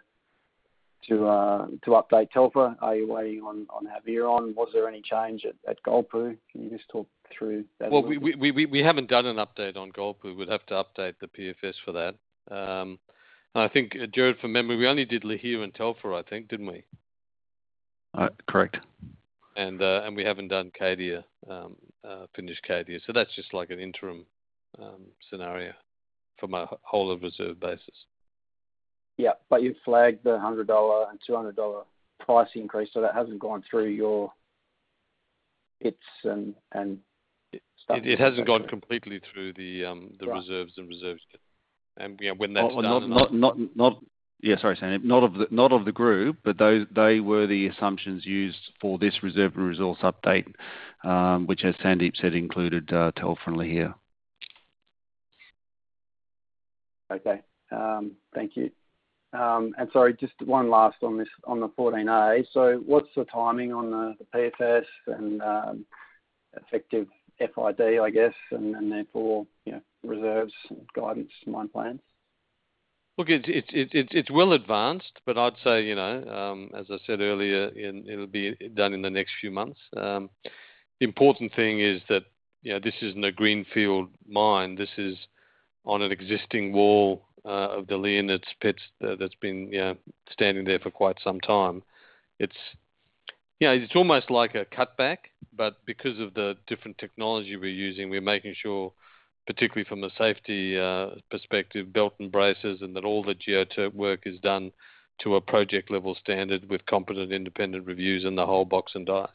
update Telfer? Are you waiting on Havieron? Was there any change at Golpu? Can you just talk through that a little bit? Well, we haven't done an update on Golpu. We'd have to update the PFS for that. I think, Gerard, from memory, we only did Lihir and Telfer, I think, didn't we? Correct. We haven't finished Cadia. That's just like an interim scenario from a whole of reserve basis. Yeah. You flagged the $100 and $200 price increase, so that hasn't gone through your pits and stuff like that. It hasn't gone completely through the reserves and reserve study. Yeah, sorry, Sandeep. Not of the group, but they were the assumptions used for this reserve resource update, which as Sandeep said, included Telfer and Lihir. Okay. Thank you. Sorry, just one last one on the 14A. What's the timing on the PFS and effective FID, I guess, and therefore reserves, guidance and mine plans? Look, it's well advanced, but I'd say, as I said earlier, it'll be done in the next few months. The important thing is that this isn't a greenfield mine. This is on an existing wall of the Lienetz pit that's been standing there for quite some time. It's almost like a cutback, but because of the different technology we're using, we're making sure, particularly from the safety perspective, belt and braces, and that all the geotech work is done to a project-level standard with competent independent reviews in the whole box and dice,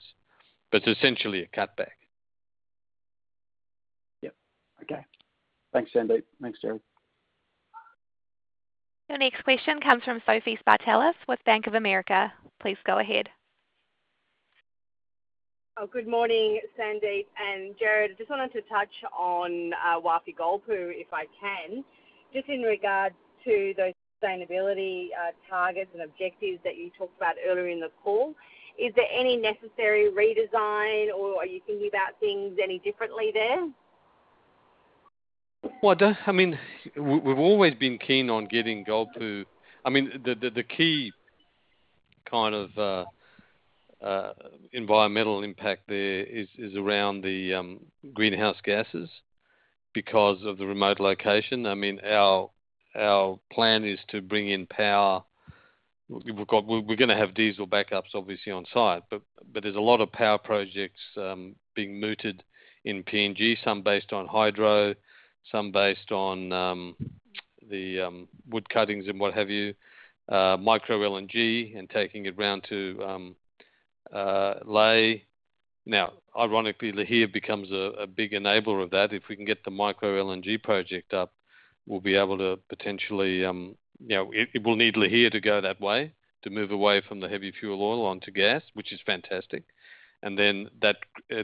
but it's essentially a cutback. Yep. Okay. Thanks, Sandeep. Thanks, Gerard. The next question comes from Sophie Spartalis with Bank of America. Please go ahead. Good morning, Sandeep and Gerard. Just wanted to touch on Wafi-Golpu, if I can. Just in regards to those sustainability targets and objectives that you talked about earlier in the call. Is there any necessary redesign or are you thinking about things any differently there? We've always been keen on getting Golpu. The key kind of environmental impact there is around the greenhouse gases because of the remote location. Our plan is to bring in power. We're going to have diesel backups obviously on site, but there's a lot of power projects being mooted in PNG, some based on hydro, some based on the wood cuttings and what have you, micro LNG and taking it around to Lae. Ironically, Lihir becomes a big enabler of that. If we can get the micro LNG project up, it will need Lihir to go that way, to move away from the heavy fuel oil onto gas, which is fantastic. That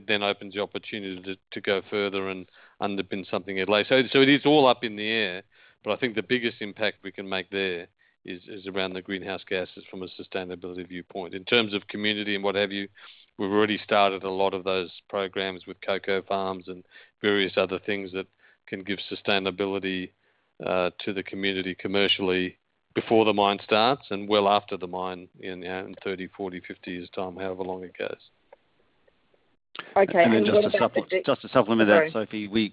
then opens the opportunity to go further and underpin something at Lae. It is all up in the air, but I think the biggest impact we can make there is around the greenhouse gases from a sustainability viewpoint. In terms of community and what have you, we've already started a lot of those programs with cocoa farms and various other things that can give sustainability to the community commercially before the mine starts and well after the mine in 30, 40, 50 years' time, however long it goes. Okay. Just to supplement that, Sophie, we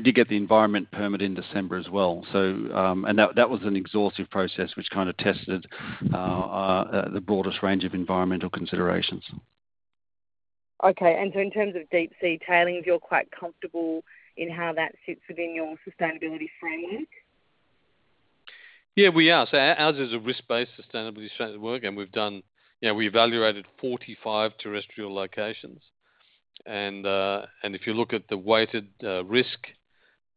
did get the environment permit in December as well. That was an exhaustive process which kind of tested the broadest range of environmental considerations. Okay. In terms of deep sea tailings, you're quite comfortable in how that sits within your sustainability framing? We are. Ours is a risk-based sustainability strategy work, and we've evaluated 45 terrestrial locations. If you look at the weighted risk,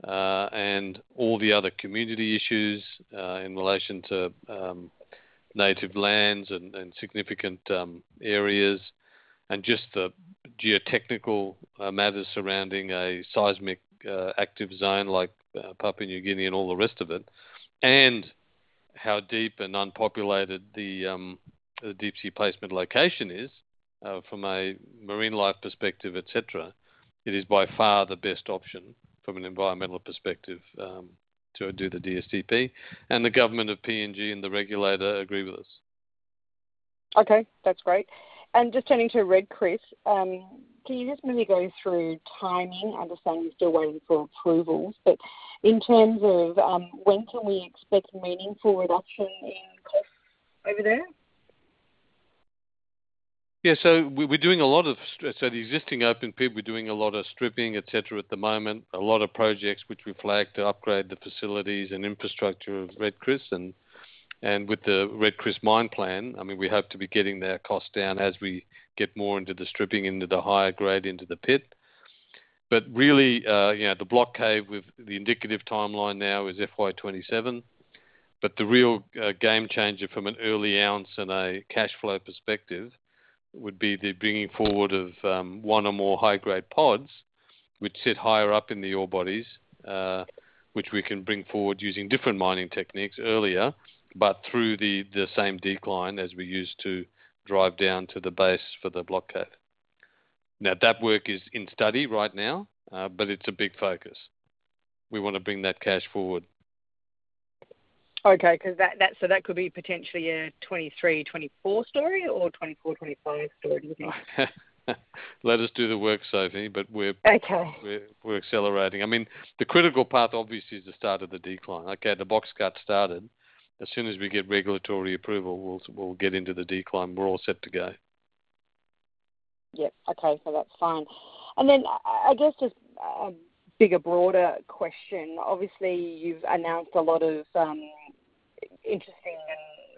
and all the other community issues, in relation to native lands and significant areas, and just the geotechnical matters surrounding a seismic active zone like Papua New Guinea and all the rest of it, and how deep and unpopulated the deep sea placement location is from a marine life perspective, et cetera, it is by far the best option from an environmental perspective to do the DSTP. The government of PNG and the regulator agree with us. Okay, that's great. Just turning to Red Chris. Can you just maybe go through timing? I understand you're still waiting for approvals, but in terms of when can we expect meaningful reduction in costs over there? Yeah. We are doing a lot of study. The existing open pit, we're doing a lot of stripping, et cetera, at the moment. A lot of projects which we flagged to upgrade the facilities and infrastructure of Red Chris. With the Red Chris mine plan, we hope to be getting that cost down as we get more into the stripping, into the higher grade, into the pit. Really, the block cave with the indicative timeline now is FY 2027, but the real game changer from an early ounce and a cash flow perspective would be the bringing forward of one or more high-grade pods which sit higher up in the ore bodies, which we can bring forward using different mining techniques earlier, but through the same decline as we used to drive down to the base for the block cave. That work is in study right now, but it's a big focus. We want to bring that cash forward. Okay. That could be potentially a 2023-2024 story or 2024-2025 story, do you think? Let us do the work, Sophie. Okay. We're accelerating. I mean, the critical path, obviously, is the start of the decline. Okay. The box cut's started. As soon as we get regulatory approval, we'll get into the decline. We're all set to go. Yep. Okay. That's fine. Just a bigger, broader question. Obviously, you've announced a lot of interesting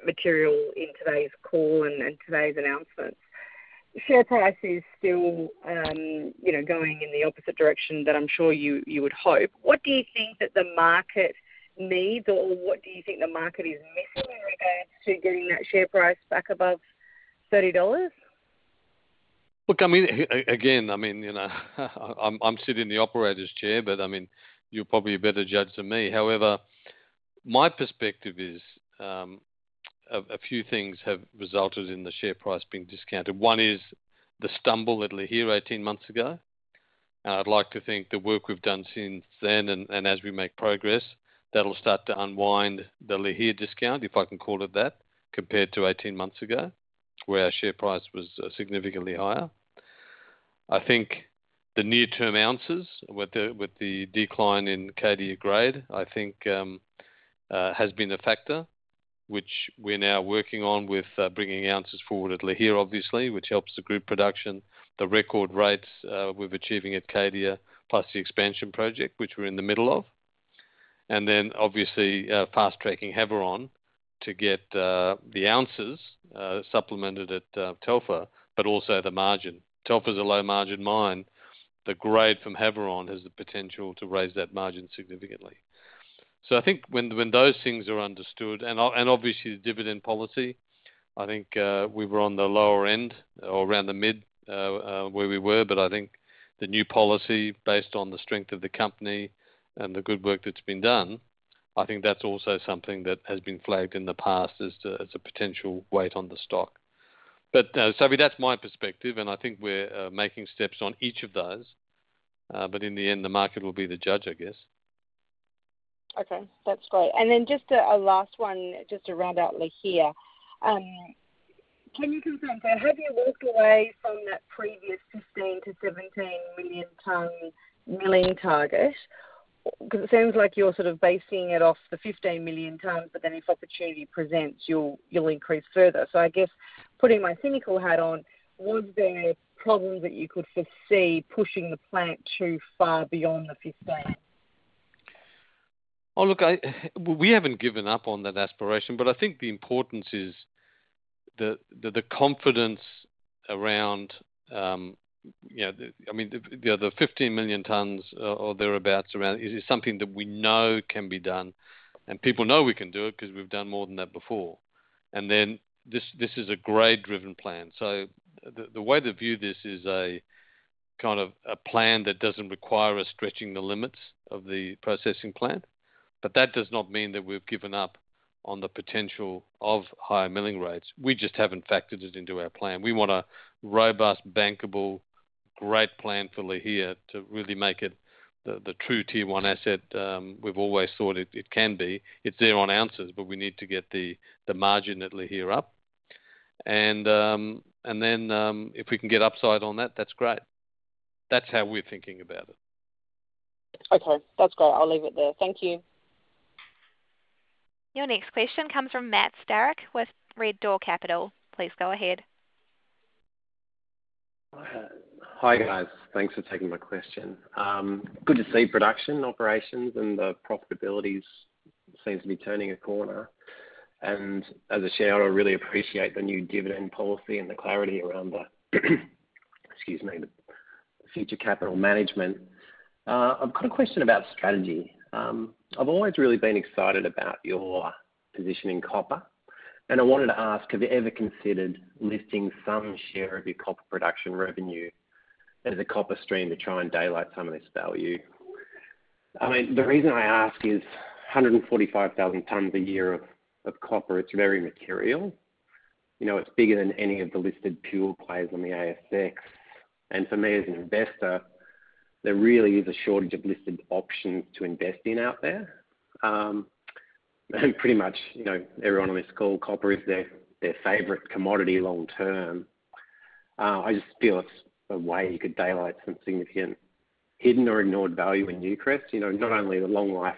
material in today's call and in today's announcements. Share price is still going in the opposite direction that I'm sure you would hope. What do you think that the market needs, or what do you think the market is missing in regards to getting that share price back above $30? Look, again, I'm sitting in the operator's chair, but you're probably a better judge than me. However, my perspective is, a few things have resulted in the share price being discounted. One is the stumble at Lihir 18 months ago. I'd like to think the work we've done since then, and as we make progress, that'll start to unwind the Lihir discount, if I can call it that, compared to 18 months ago, where our share price was significantly higher. I think the near-term ounces with the decline in Cadia grade, I think has been a factor, which we're now working on with bringing ounces forward at Lihir, obviously, which helps the group production. The record rates we're achieving at Cadia, plus the expansion project, which we're in the middle of. Then, obviously, fast-tracking Havieron to get the ounces supplemented at Telfer, but also the margin. Telfer's a low-margin mine. The grade from Havieron has the potential to raise that margin significantly. I think when those things are understood. Obviously, the dividend policy, I think, we were on the lower end or around the mid- where we were. I think the new policy, based on the strength of the company and the good work that's been done, I think that's also something that has been flagged in the past as a potential weight on the stock. Sophie, that's my perspective, and I think we're making steps on each of those. In the end, the market will be the judge, I guess. Okay. That's great. Just a last one just to round out Lihir. Can you confirm, have you walked away from that previous 15 million-17 million ton milling target? It sounds like you're sort of basing it off the 15 million tons, but then if opportunity presents, you'll increase further. I guess putting my cynical hat on, was there problems that you could foresee pushing the plant too far beyond the 15? Look, we haven't given up on that aspiration, but I think the importance is the confidence around the 15 million tons or thereabouts around, it is something that we know can be done, and people know we can do it because we've done more than that before. This is a grade-driven plan. The way to view this is a kind of a plan that doesn't require us stretching the limits of the processing plant. That does not mean that we've given up on the potential of higher milling rates. We just haven't factored it into our plan. We want a robust, bankable, great plan for Lihir to really make it the true tier 1 asset we've always thought it can be. It's there on ounces, but we need to get the margin at Lihir up. Then, if we can get upside on that's great. That's how we're thinking about it. Okay. That's great. I'll leave it there. Thank you. Your next question comes from Matt Starick with Red Door Capital. Please go ahead. Hi guys. Thanks for taking my question. Good to see production operations and the profitability seems to be turning a corner. As a shareholder, I really appreciate the new dividend policy and the clarity around the, excuse me, future capital management. I've got a question about strategy. I've always really been excited about your position in copper. I wanted to ask, have you ever considered listing some share of your copper production revenue as a copper stream to try and daylight some of its value? The reason I ask is 145,000 tonnes a year of copper, it's very material. It's bigger than any of the listed pure plays on the ASX. For me as an investor, there really is a shortage of listed options to invest in out there. Pretty much everyone on this call, copper is their favorite commodity long term. I just feel it's a way you could daylight some significant hidden or ignored value in Newcrest, not only the long life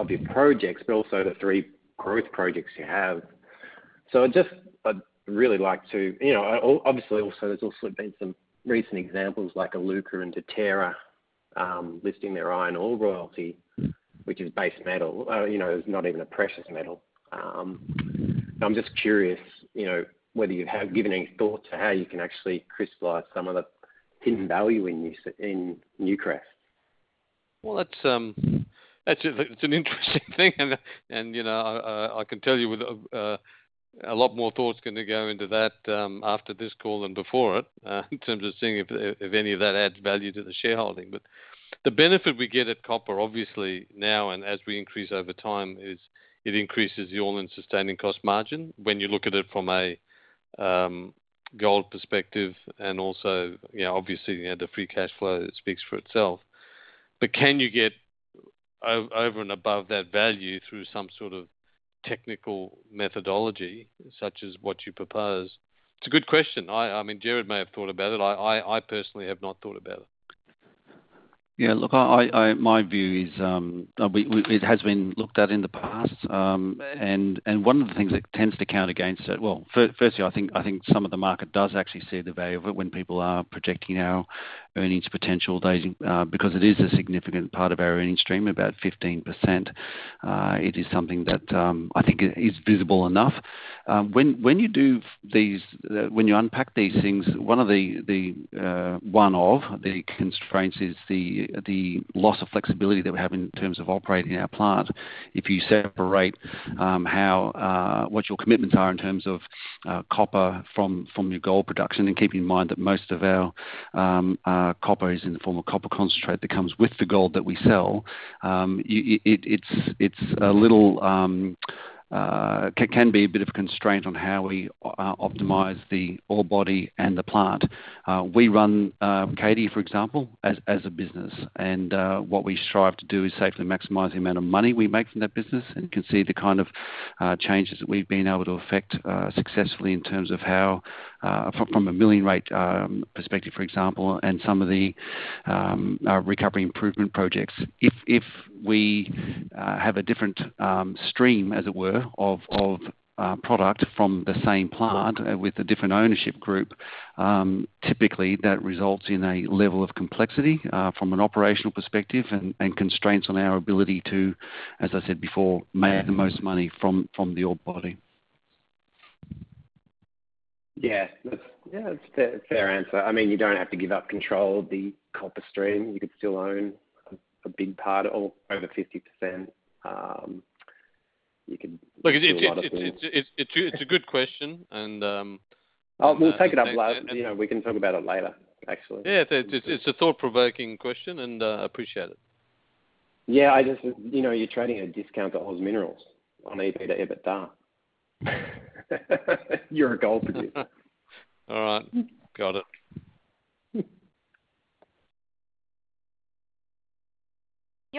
of your projects, but also the three growth projects you have. Obviously, there's also been some recent examples like Iluka and Deterra, listing their iron ore royalty, which is base metal, it's not even a precious metal. I'm just curious, whether you have given any thought to how you can actually crystallize some of the hidden value in Newcrest? Well, that's an interesting thing and, I can tell you a lot more thought's going to go into that, after this call than before it, in terms of seeing if any of that adds value to the shareholding. The benefit we get at copper, obviously now and as we increase over time, is it increases the all-in sustaining cost margin when you look at it from a gold perspective and also, obviously, the free cash flow that speaks for itself. Can you get over and above that value through some sort of technical methodology such as what you propose? It's a good question. Gerard may have thought about it. I personally have not thought about it. Yeah, look, my view is, it has been looked at in the past, and one of the things that tends to count against it. Well, firstly, I think some of the market does actually see the value of it when people are projecting our earnings potential, because it is a significant part of our earnings stream, about 15%. It is something that I think is visible enough. When you unpack these things, one of the constraints is the loss of flexibility that we have in terms of operating our plant. If you separate what your commitments are in terms of copper from your gold production, and keep in mind that most of our copper is in the form of copper concentrate that comes with the gold that we sell, it can be a bit of a constraint on how we optimize the ore body and the plant. We run Cadia, for example, as a business, and what we strive to do is safely maximize the amount of money we make from that business, and you can see the kind of changes that we've been able to effect successfully in terms of how, from a milling rate perspective, for example, and some of the recovery improvement projects. If we have a different stream, as it were, of product from the same plant with a different ownership group, typically that results in a level of complexity from an operational perspective and constraints on our ability to, as I said before, make the most money from the ore body. Yeah. It's a fair answer. You don't have to give up control of the copper stream. You could still own a big part, over 50%. Look, it's a good question. We'll take it up later. We can talk about it later, actually. Yeah. It's a thought-provoking question, and I appreciate it. Yeah. You're trading at a discount to OZ Minerals on a EV/EBITDA. You're a gold producer. All right. Got it. Your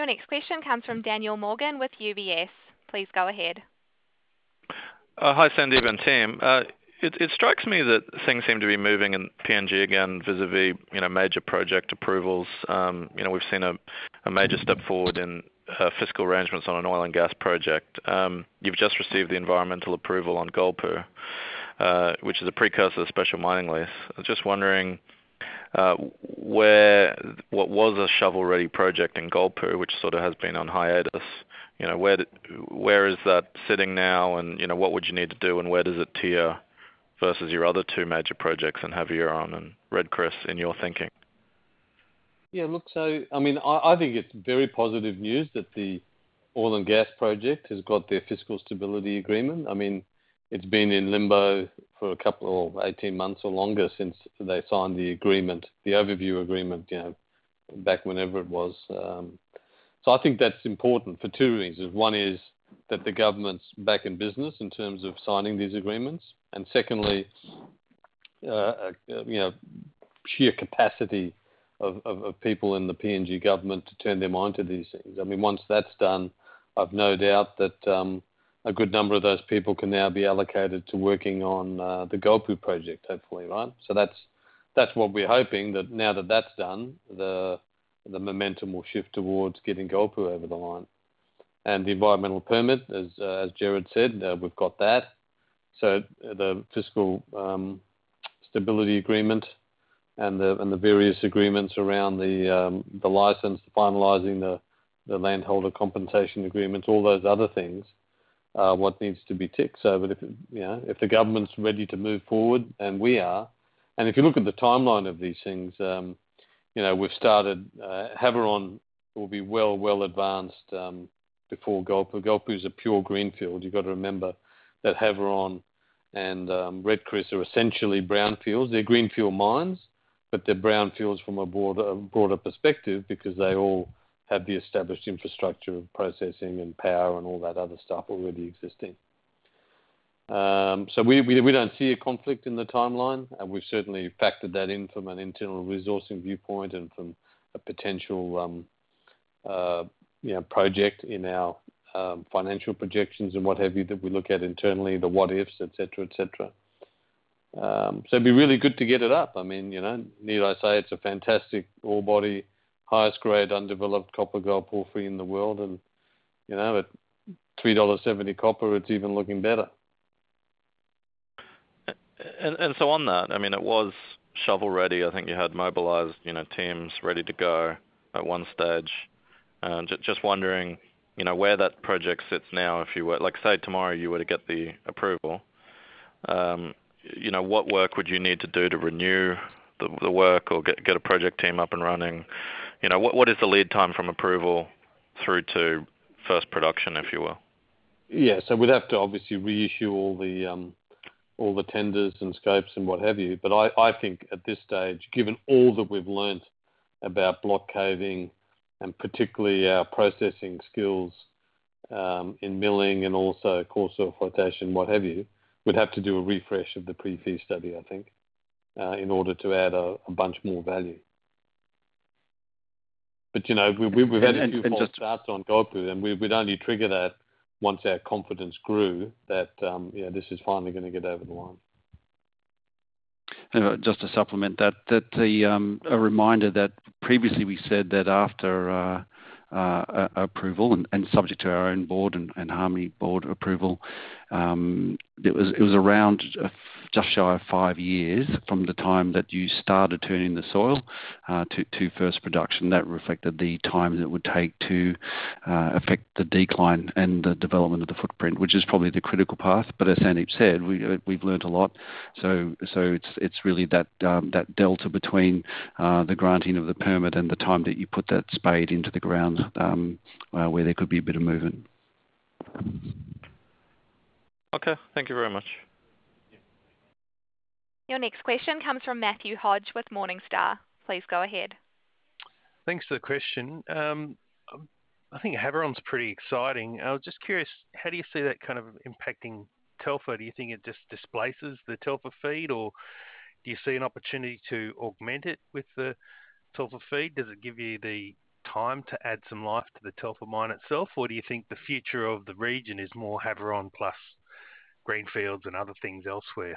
next question comes from Daniel Morgan with UBS. Please go ahead. Hi, Sandeep and team. It strikes me that things seem to be moving in PNG again vis-à-vis major project approvals. We've seen a major step forward in fiscal arrangements on an oil and gas project. You've just received the environmental approval on Golpu, which is a precursor to Special Mining Lease. I'm just wondering, what was a shovel-ready project in Golpu, which sort of has been on hiatus, where is that sitting now, and what would you need to do, and where does it tier versus your other two major projects in Havieron and Red Chris in your thinking? Look, I think it's very positive news that the oil and gas project has got their fiscal stability agreement. It's been in limbo for 18 months or longer since they signed the agreement, the overview agreement, back whenever it was. I think that's important for two reasons. One is that the government's back in business in terms of signing these agreements, and secondly, sheer capacity of people in the PNG government to turn their mind to these things. Once that's done, I've no doubt that a good number of those people can now be allocated to working on the Golpu project, hopefully. That's what we're hoping, that now that that's done, the momentum will shift towards getting Golpu over the line. The environmental permit, as Gerard said, we've got that. The fiscal stability agreement and the various agreements around the license, finalizing the landholder compensation agreements, all those other things, what needs to be ticked. If the government's ready to move forward, and we are, and if you look at the timeline of these things, Havieron will be well advanced before Golpu. Golpu is a pure greenfield. You've got to remember that Havieron and Red Chris are essentially brownfields. They're greenfield mines, but they're brownfields from a broader perspective because they all have the established infrastructure of processing and power and all that other stuff already existing. We don't see a conflict in the timeline, and we've certainly factored that in from an internal resourcing viewpoint and from a potential project in our financial projections and what have you that we look at internally, the what-ifs, et cetera. It'd be really good to get it up. Need I say, it's a fantastic ore body, highest grade undeveloped copper gold portfolio in the world, and at $3.70 copper, it's even looking better. On that, it was shovel-ready. I think you had mobilized teams ready to go at one stage. Just wondering where that project sits now, if you were say tomorrow you were to get the approval, what work would you need to do to renew the work or get a project team up and running? What is the lead time from approval through to first production, if you will? We'd have to obviously reissue all the tenders and scopes and what have you. I think at this stage, given all that we've learnt about block caving and particularly our processing skills in milling and also coarse ore flotation, what have you, we'd have to do a refresh of the pre-feasibility study, I think, in order to add a bunch more value. We've had interest- And if you just- On Golpu, we'd only trigger that once our confidence grew that this is finally going to get over the line. Just to supplement that, a reminder that previously we said that after approval, and subject to our own board and Harmony board approval, it was around just shy of five years from the time that you started turning the soil to first production. That reflected the time that it would take to affect the decline and the development of the footprint, which is probably the critical path. As Sandeep said, we've learned a lot. It's really that delta between the granting of the permit and the time that you put that spade into the ground where there could be a bit of movement. Okay. Thank you very much. Your next question comes from Mathew Hodge with Morningstar. Please go ahead. Thanks for the question. I think Havieron's pretty exciting. I was just curious, how do you see that kind of impacting Telfer? Do you think it just displaces the Telfer feed, or do you see an opportunity to augment it with the Telfer feed? Does it give you the time to add some life to the Telfer mine itself? Or do you think the future of the region is more Havieron plus greenfields and other things elsewhere?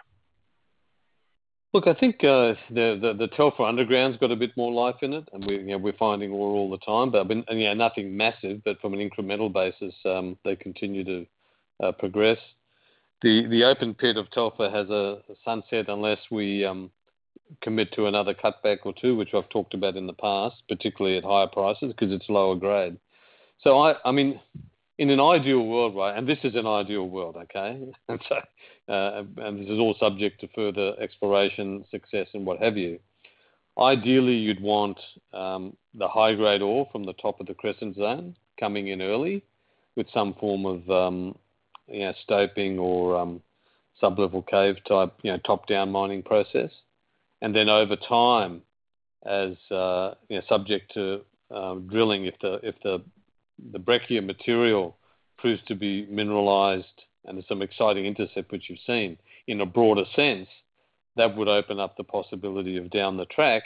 Look, I think the Telfer underground's got a bit more life in it, and we're finding ore all the time. Nothing massive, but from an incremental basis, they continue to progress. The open pit of Telfer has a sunset unless we commit to another cutback or two, which I've talked about in the past, particularly at higher prices, because it's lower grade. In an ideal world, right, and this is an ideal world, okay? This is all subject to further exploration success and what have you. Ideally, you'd want the high-grade ore from the top of the Crescent Zone coming in early with some form of stoping or sublevel cave-type, top-down mining process. Then, over time, as subject to drilling, if the breccia material proves to be mineralized and there's some exciting intercepts, which we've seen, in a broader sense, that would open up the possibility of down the track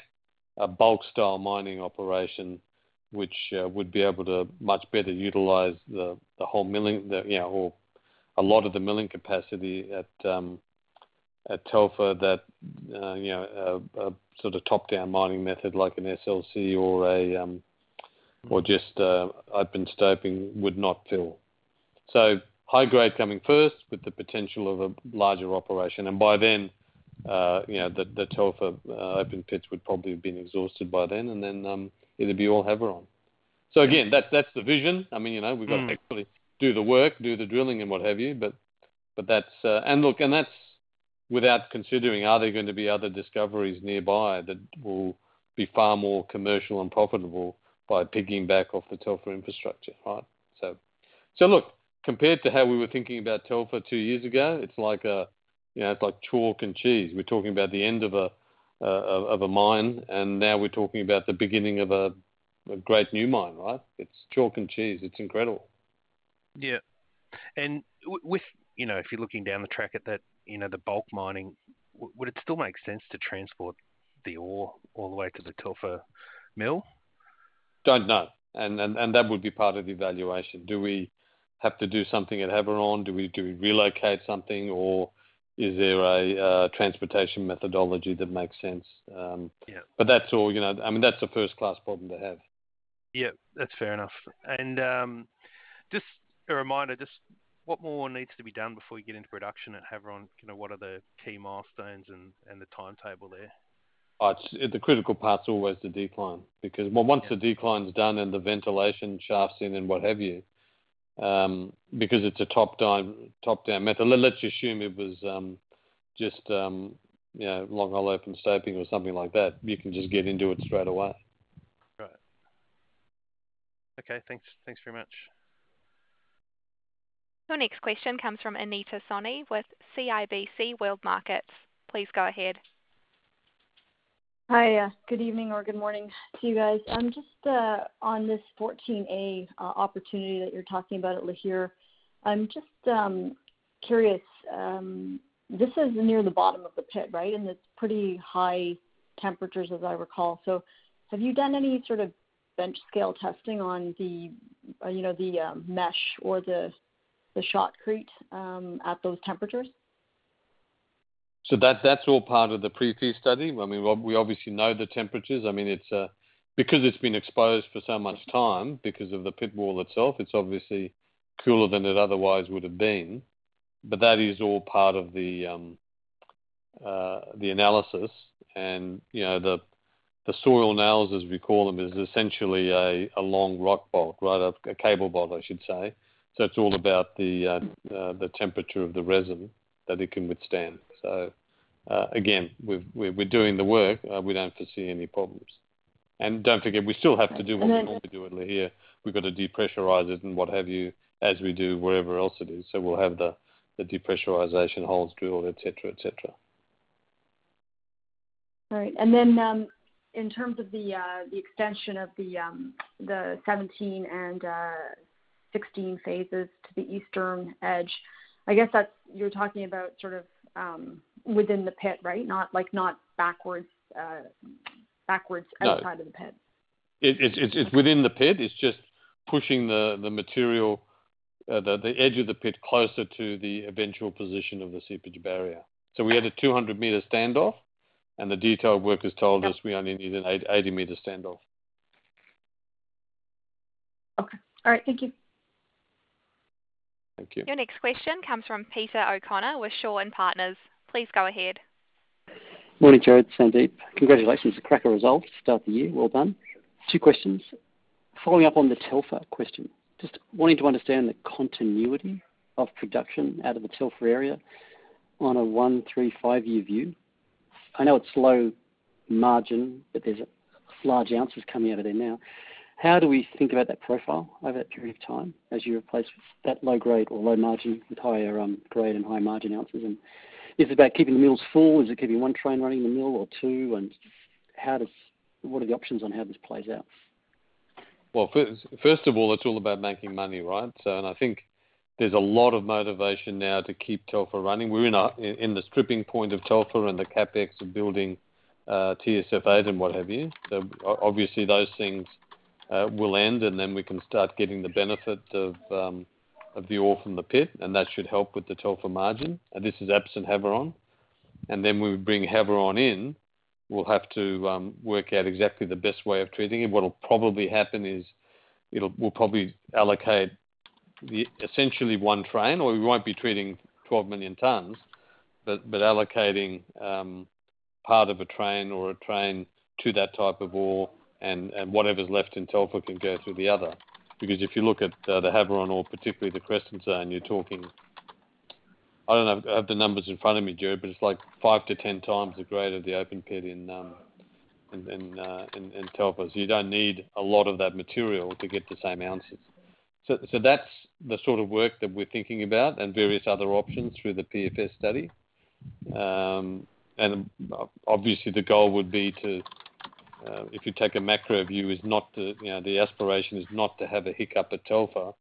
a bulk style mining operation, which would be able to much better utilize the whole milling, or a lot of the milling capacity at Telfer that, you know, a sort of top-down mining method like an SLC or just open stoping would not fill. High grade coming first with the potential of a larger operation. By then, the Telfer open pits would probably have been exhausted by then, and then it'll be all Havieron. Again, that's the vision. We've got to actually do the work, do the drilling and what have you. That's without considering are there going to be other discoveries nearby that will be far more commercial and profitable by pigging back off the Telfer infrastructure, right? Look, compared to how we were thinking about Telfer two years ago, it's like chalk and cheese. We're talking about the end of a mine, and now we're talking about the beginning of a great new mine, right? It's chalk and cheese. It's incredible. Yeah. If you're looking down the track at the bulk mining, would it still make sense to transport the ore all the way to the Telfer mill? Don't know. That would be part of the evaluation. Do we have to do something at Havieron? Do we relocate something or is there a transportation methodology that makes sense? Yeah. That's a first-class problem to have. Yeah, that's fair enough. Just a reminder, just what more needs to be done before you get into production at Havieron? What are the key milestones and the timetable there? The critical part's always the decline. Well, once the decline's done and the ventilation shafts in and what have you, because it's a top-down method. Let's assume it was just long hole open stope or something like that, you can just get into it straight away. Got it. Okay, thanks very much. The next question comes from Anita Soni with CIBC World Markets. Please go ahead. Hi. Good evening or good morning to you guys. On this 14A opportunity that you're talking about at Lihir. I'm just curious, this is near the bottom of the pit, right? It's pretty high temperatures, as I recall. Have you done any sort of bench scale testing on the mesh or the shotcrete at those temperatures? That's all part of the pre-feasibility study. We obviously know the temperatures. Because it's been exposed for so much time, because of the pit wall itself, it's obviously cooler than it otherwise would've been. That is all part of the analysis. The soil nails, as we call them, is essentially a long rock bolt, right? A cable bolt, I should say. It's all about the temperature of the resin that it can withstand. Again, we're doing the work. We don't foresee any problems. Don't forget, we still have to do what we normally do at Lihir. We've got to depressurize it and what have you, as we do whatever else it is. We'll have the depressurization holes drilled, et cetera. Right. In terms of the extension of the 17 and 16 phases to the eastern edge, I guess that you're talking about sort of within the pit, right? Not backwards outside of the pit. No. It's within the pit. It's just pushing the material, the edge of the pit closer to the eventual position of the seepage barrier. We had a 200-meter standoff, and the detailed workers told us we only need an 80-meter standoff. Okay. All right. Thank you. Thank you. The next question comes from Peter O'Connor with Shaw and Partners. Please go ahead. Morning, Joe and Sandeep. Congratulations, cracker results to start the year. Well done. Two questions. Following up on the Telfer question, just wanting to understand the continuity of production out of the Telfer area on a 1, 3, 5-year view. I know it's low margin, but there's large ounces coming out of there now. How do we think about that profile of that during time as you replace that low-grade or low margin with higher grade and high margin ounces? Is it about keeping the mills full? Is it keeping one train running in the mill or two? What are the options on how this plays out? Well, first of all, it's all about making money, right? I think there's a lot of motivation now to keep Telfer running. We're in the stripping point of Telfer and the CapEx of building TSFs and what have you. Obviously, those things will end, and then we can start getting the benefits of the ore from the pit, and that should help with the Telfer margin, and this is absent Havieron. When we bring Havieron in, we'll have to work out exactly the best way of treating it. What'll probably happen is we'll probably allocate essentially one train, or we won't be treating 12 million tons, but allocating part of a train or a train to that type of ore and whatever's left in Telfer can go through the other. If you look at the Havieron ore, particularly the Crescent Zone, you're talking I don't have the numbers in front of me, Joe, but it's like 5 to 10 times the grade of the open pit in Telfer. You don't need a lot of that material to get the same ounces. That's the sort of work that we're thinking about and various other options through the PFS Study. Obviously, the goal would be to, if you take a macro view is not to, the aspiration is not to have a hiccup at Telfer,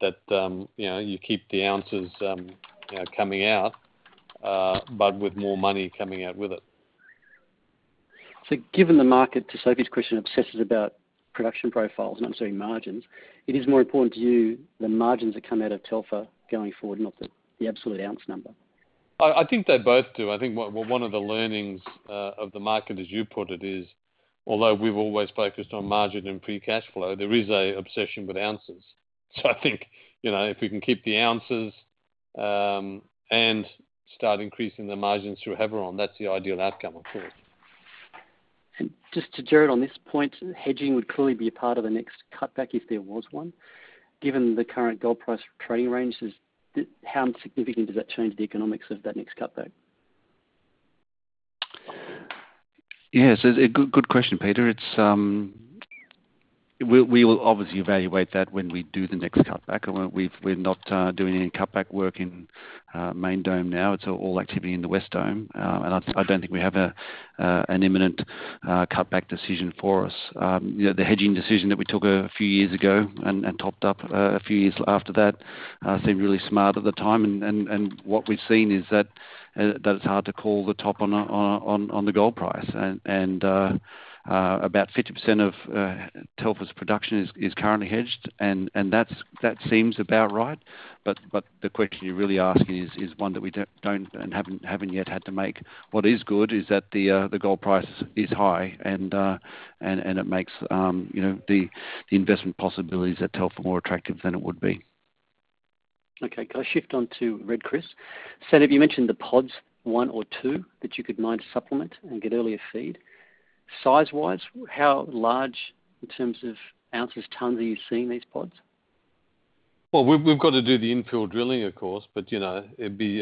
that you keep the ounces coming out, but with more money coming out with it. Given the market, to Sophie's question, obsesses about production profiles, not necessarily margins, it is more important to you the margins that come out of Telfer going forward, not the absolute ounce number. I think they both do. I think one of the learnings of the market, as you put it, is although we've always focused on margin and free cash flow, there is an obsession with ounces. I think, if we can keep the ounces, and start increasing the margins through Havieron, that's the ideal outcome, of course. Just to Gerard, on this point, hedging would clearly be a part of the next cutback if there was one. Given the current gold price trading ranges, how significant does that change the economics of that next cutback? Yeah. Good question, Peter. We will obviously evaluate that when we do the next cutback. We're not doing any cutback work in the Main Dome now. It's all activity in the West Dome. I don't think we have an imminent cutback decision for us. The hedging decision that we took a few years ago and topped up a few years after that, seemed really smart at the time. What we've seen is that it's hard to call the top on the gold price. About 50% of Telfer's production is currently hedged, and that seems about right. The question you really ask is one that we don't and haven't yet had to make. What is good is that the gold price is high and it makes the investment possibilities at Telfer more attractive than it would be. Okay, can I shift on to Red Chris? Sandeep, you mentioned the pods one or two that you could mine to supplement and get earlier feed. Size-wise, how large in terms of ounces ton are you seeing these pods? Well, we've got to do the infill drilling, of course, but it'd be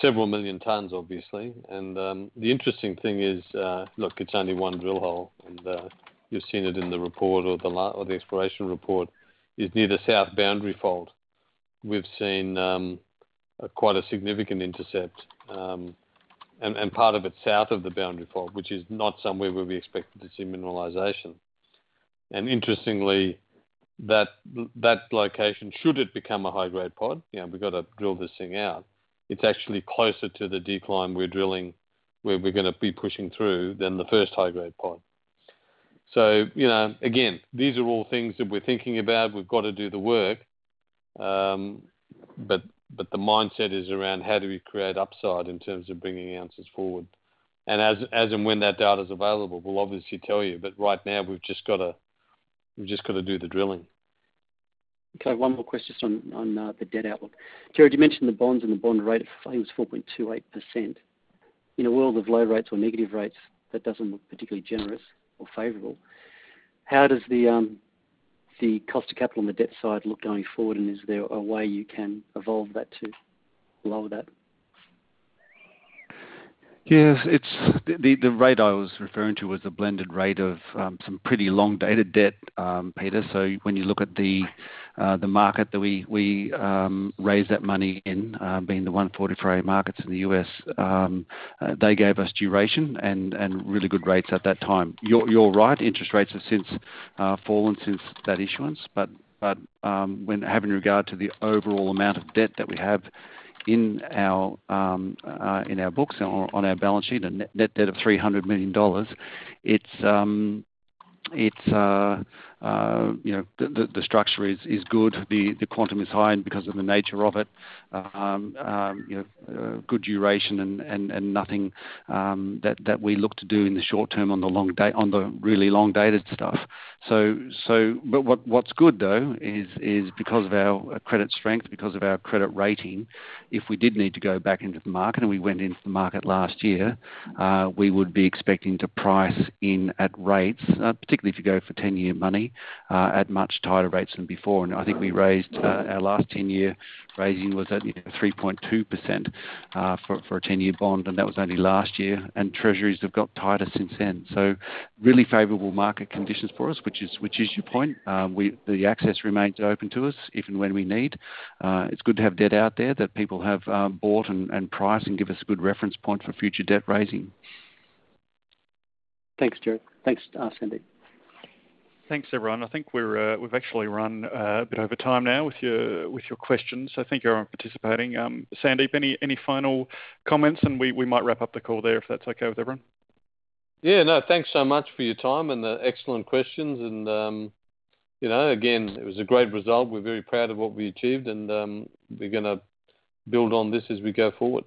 several million tons, obviously. The interesting thing is, look, it's only one drill hole, and you've seen it in the report or the exploration report. It's near the South Boundary Fault. We've seen quite a significant intercept, and part of it's south of the boundary fault, which is not somewhere where we expected to see mineralization. Interestingly, that location, should it become a high-grade pod, we've got to drill this thing out. It's actually closer to the decline we're drilling, where we're going to be pushing through, than the first high-grade pod. Again, these are all things that we're thinking about. We've got to do the work, but the mindset is around how do we create upside in terms of bringing ounces forward. As and when that data is available, we'll obviously tell you, but right now, we've just got to do the drilling. Okay, one more question on the debt outlook. Joe, you mentioned the bonds and the bond rate of 4.28%. In a world of low rates or negative rates, that doesn't look particularly generous or favorable. How does the cost of capital on the debt side look going forward, and is there a way you can evolve that to lower that? Yes. The rate I was referring to was the blended rate of some pretty long-dated debt, Peter. When you look at the market that we raised that money in, being the 144A markets in the U.S., they gave us duration and really good rates at that time. You're right, interest rates have fallen since that issuance. When having regard to the overall amount of debt that we have in our books and on our balance sheet, a net debt of $300 million, the structure is good. The quantum is high because of the nature of it. Good duration and nothing that we look to do in the short term on the really long-dated stuff. What's good, though, is because of our credit strength, because of our credit rating, if we did need to go back into the market, and we went into the market last year, we would be expecting to price in at rates, particularly if you go for 10-year money, at much tighter rates than before. I think we raised our last 10-year raising was at 3.2% for a 10-year bond, and that was only last year. Treasuries have got tighter since then. Really favorable market conditions for us, which is your point. The access remains open to us if and when we need. It's good to have debt out there that people have bought and priced and give us a good reference point for future debt raising. Thanks, Joe. Thanks, Sandeep. Thanks, everyone. I think we've actually run a bit over time now with your questions. Thank you everyone for participating. Sandy, any final comments and we might wrap up the call there if that's okay with everyone? Yeah, no, thanks so much for your time and the excellent questions. Again, it was a great result. We're very proud of what we achieved, and we're going to build on this as we go forward.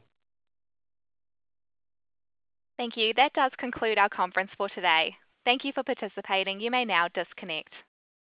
Thank you. That does conclude our conference for today. Thank you for participating. You may now disconnect.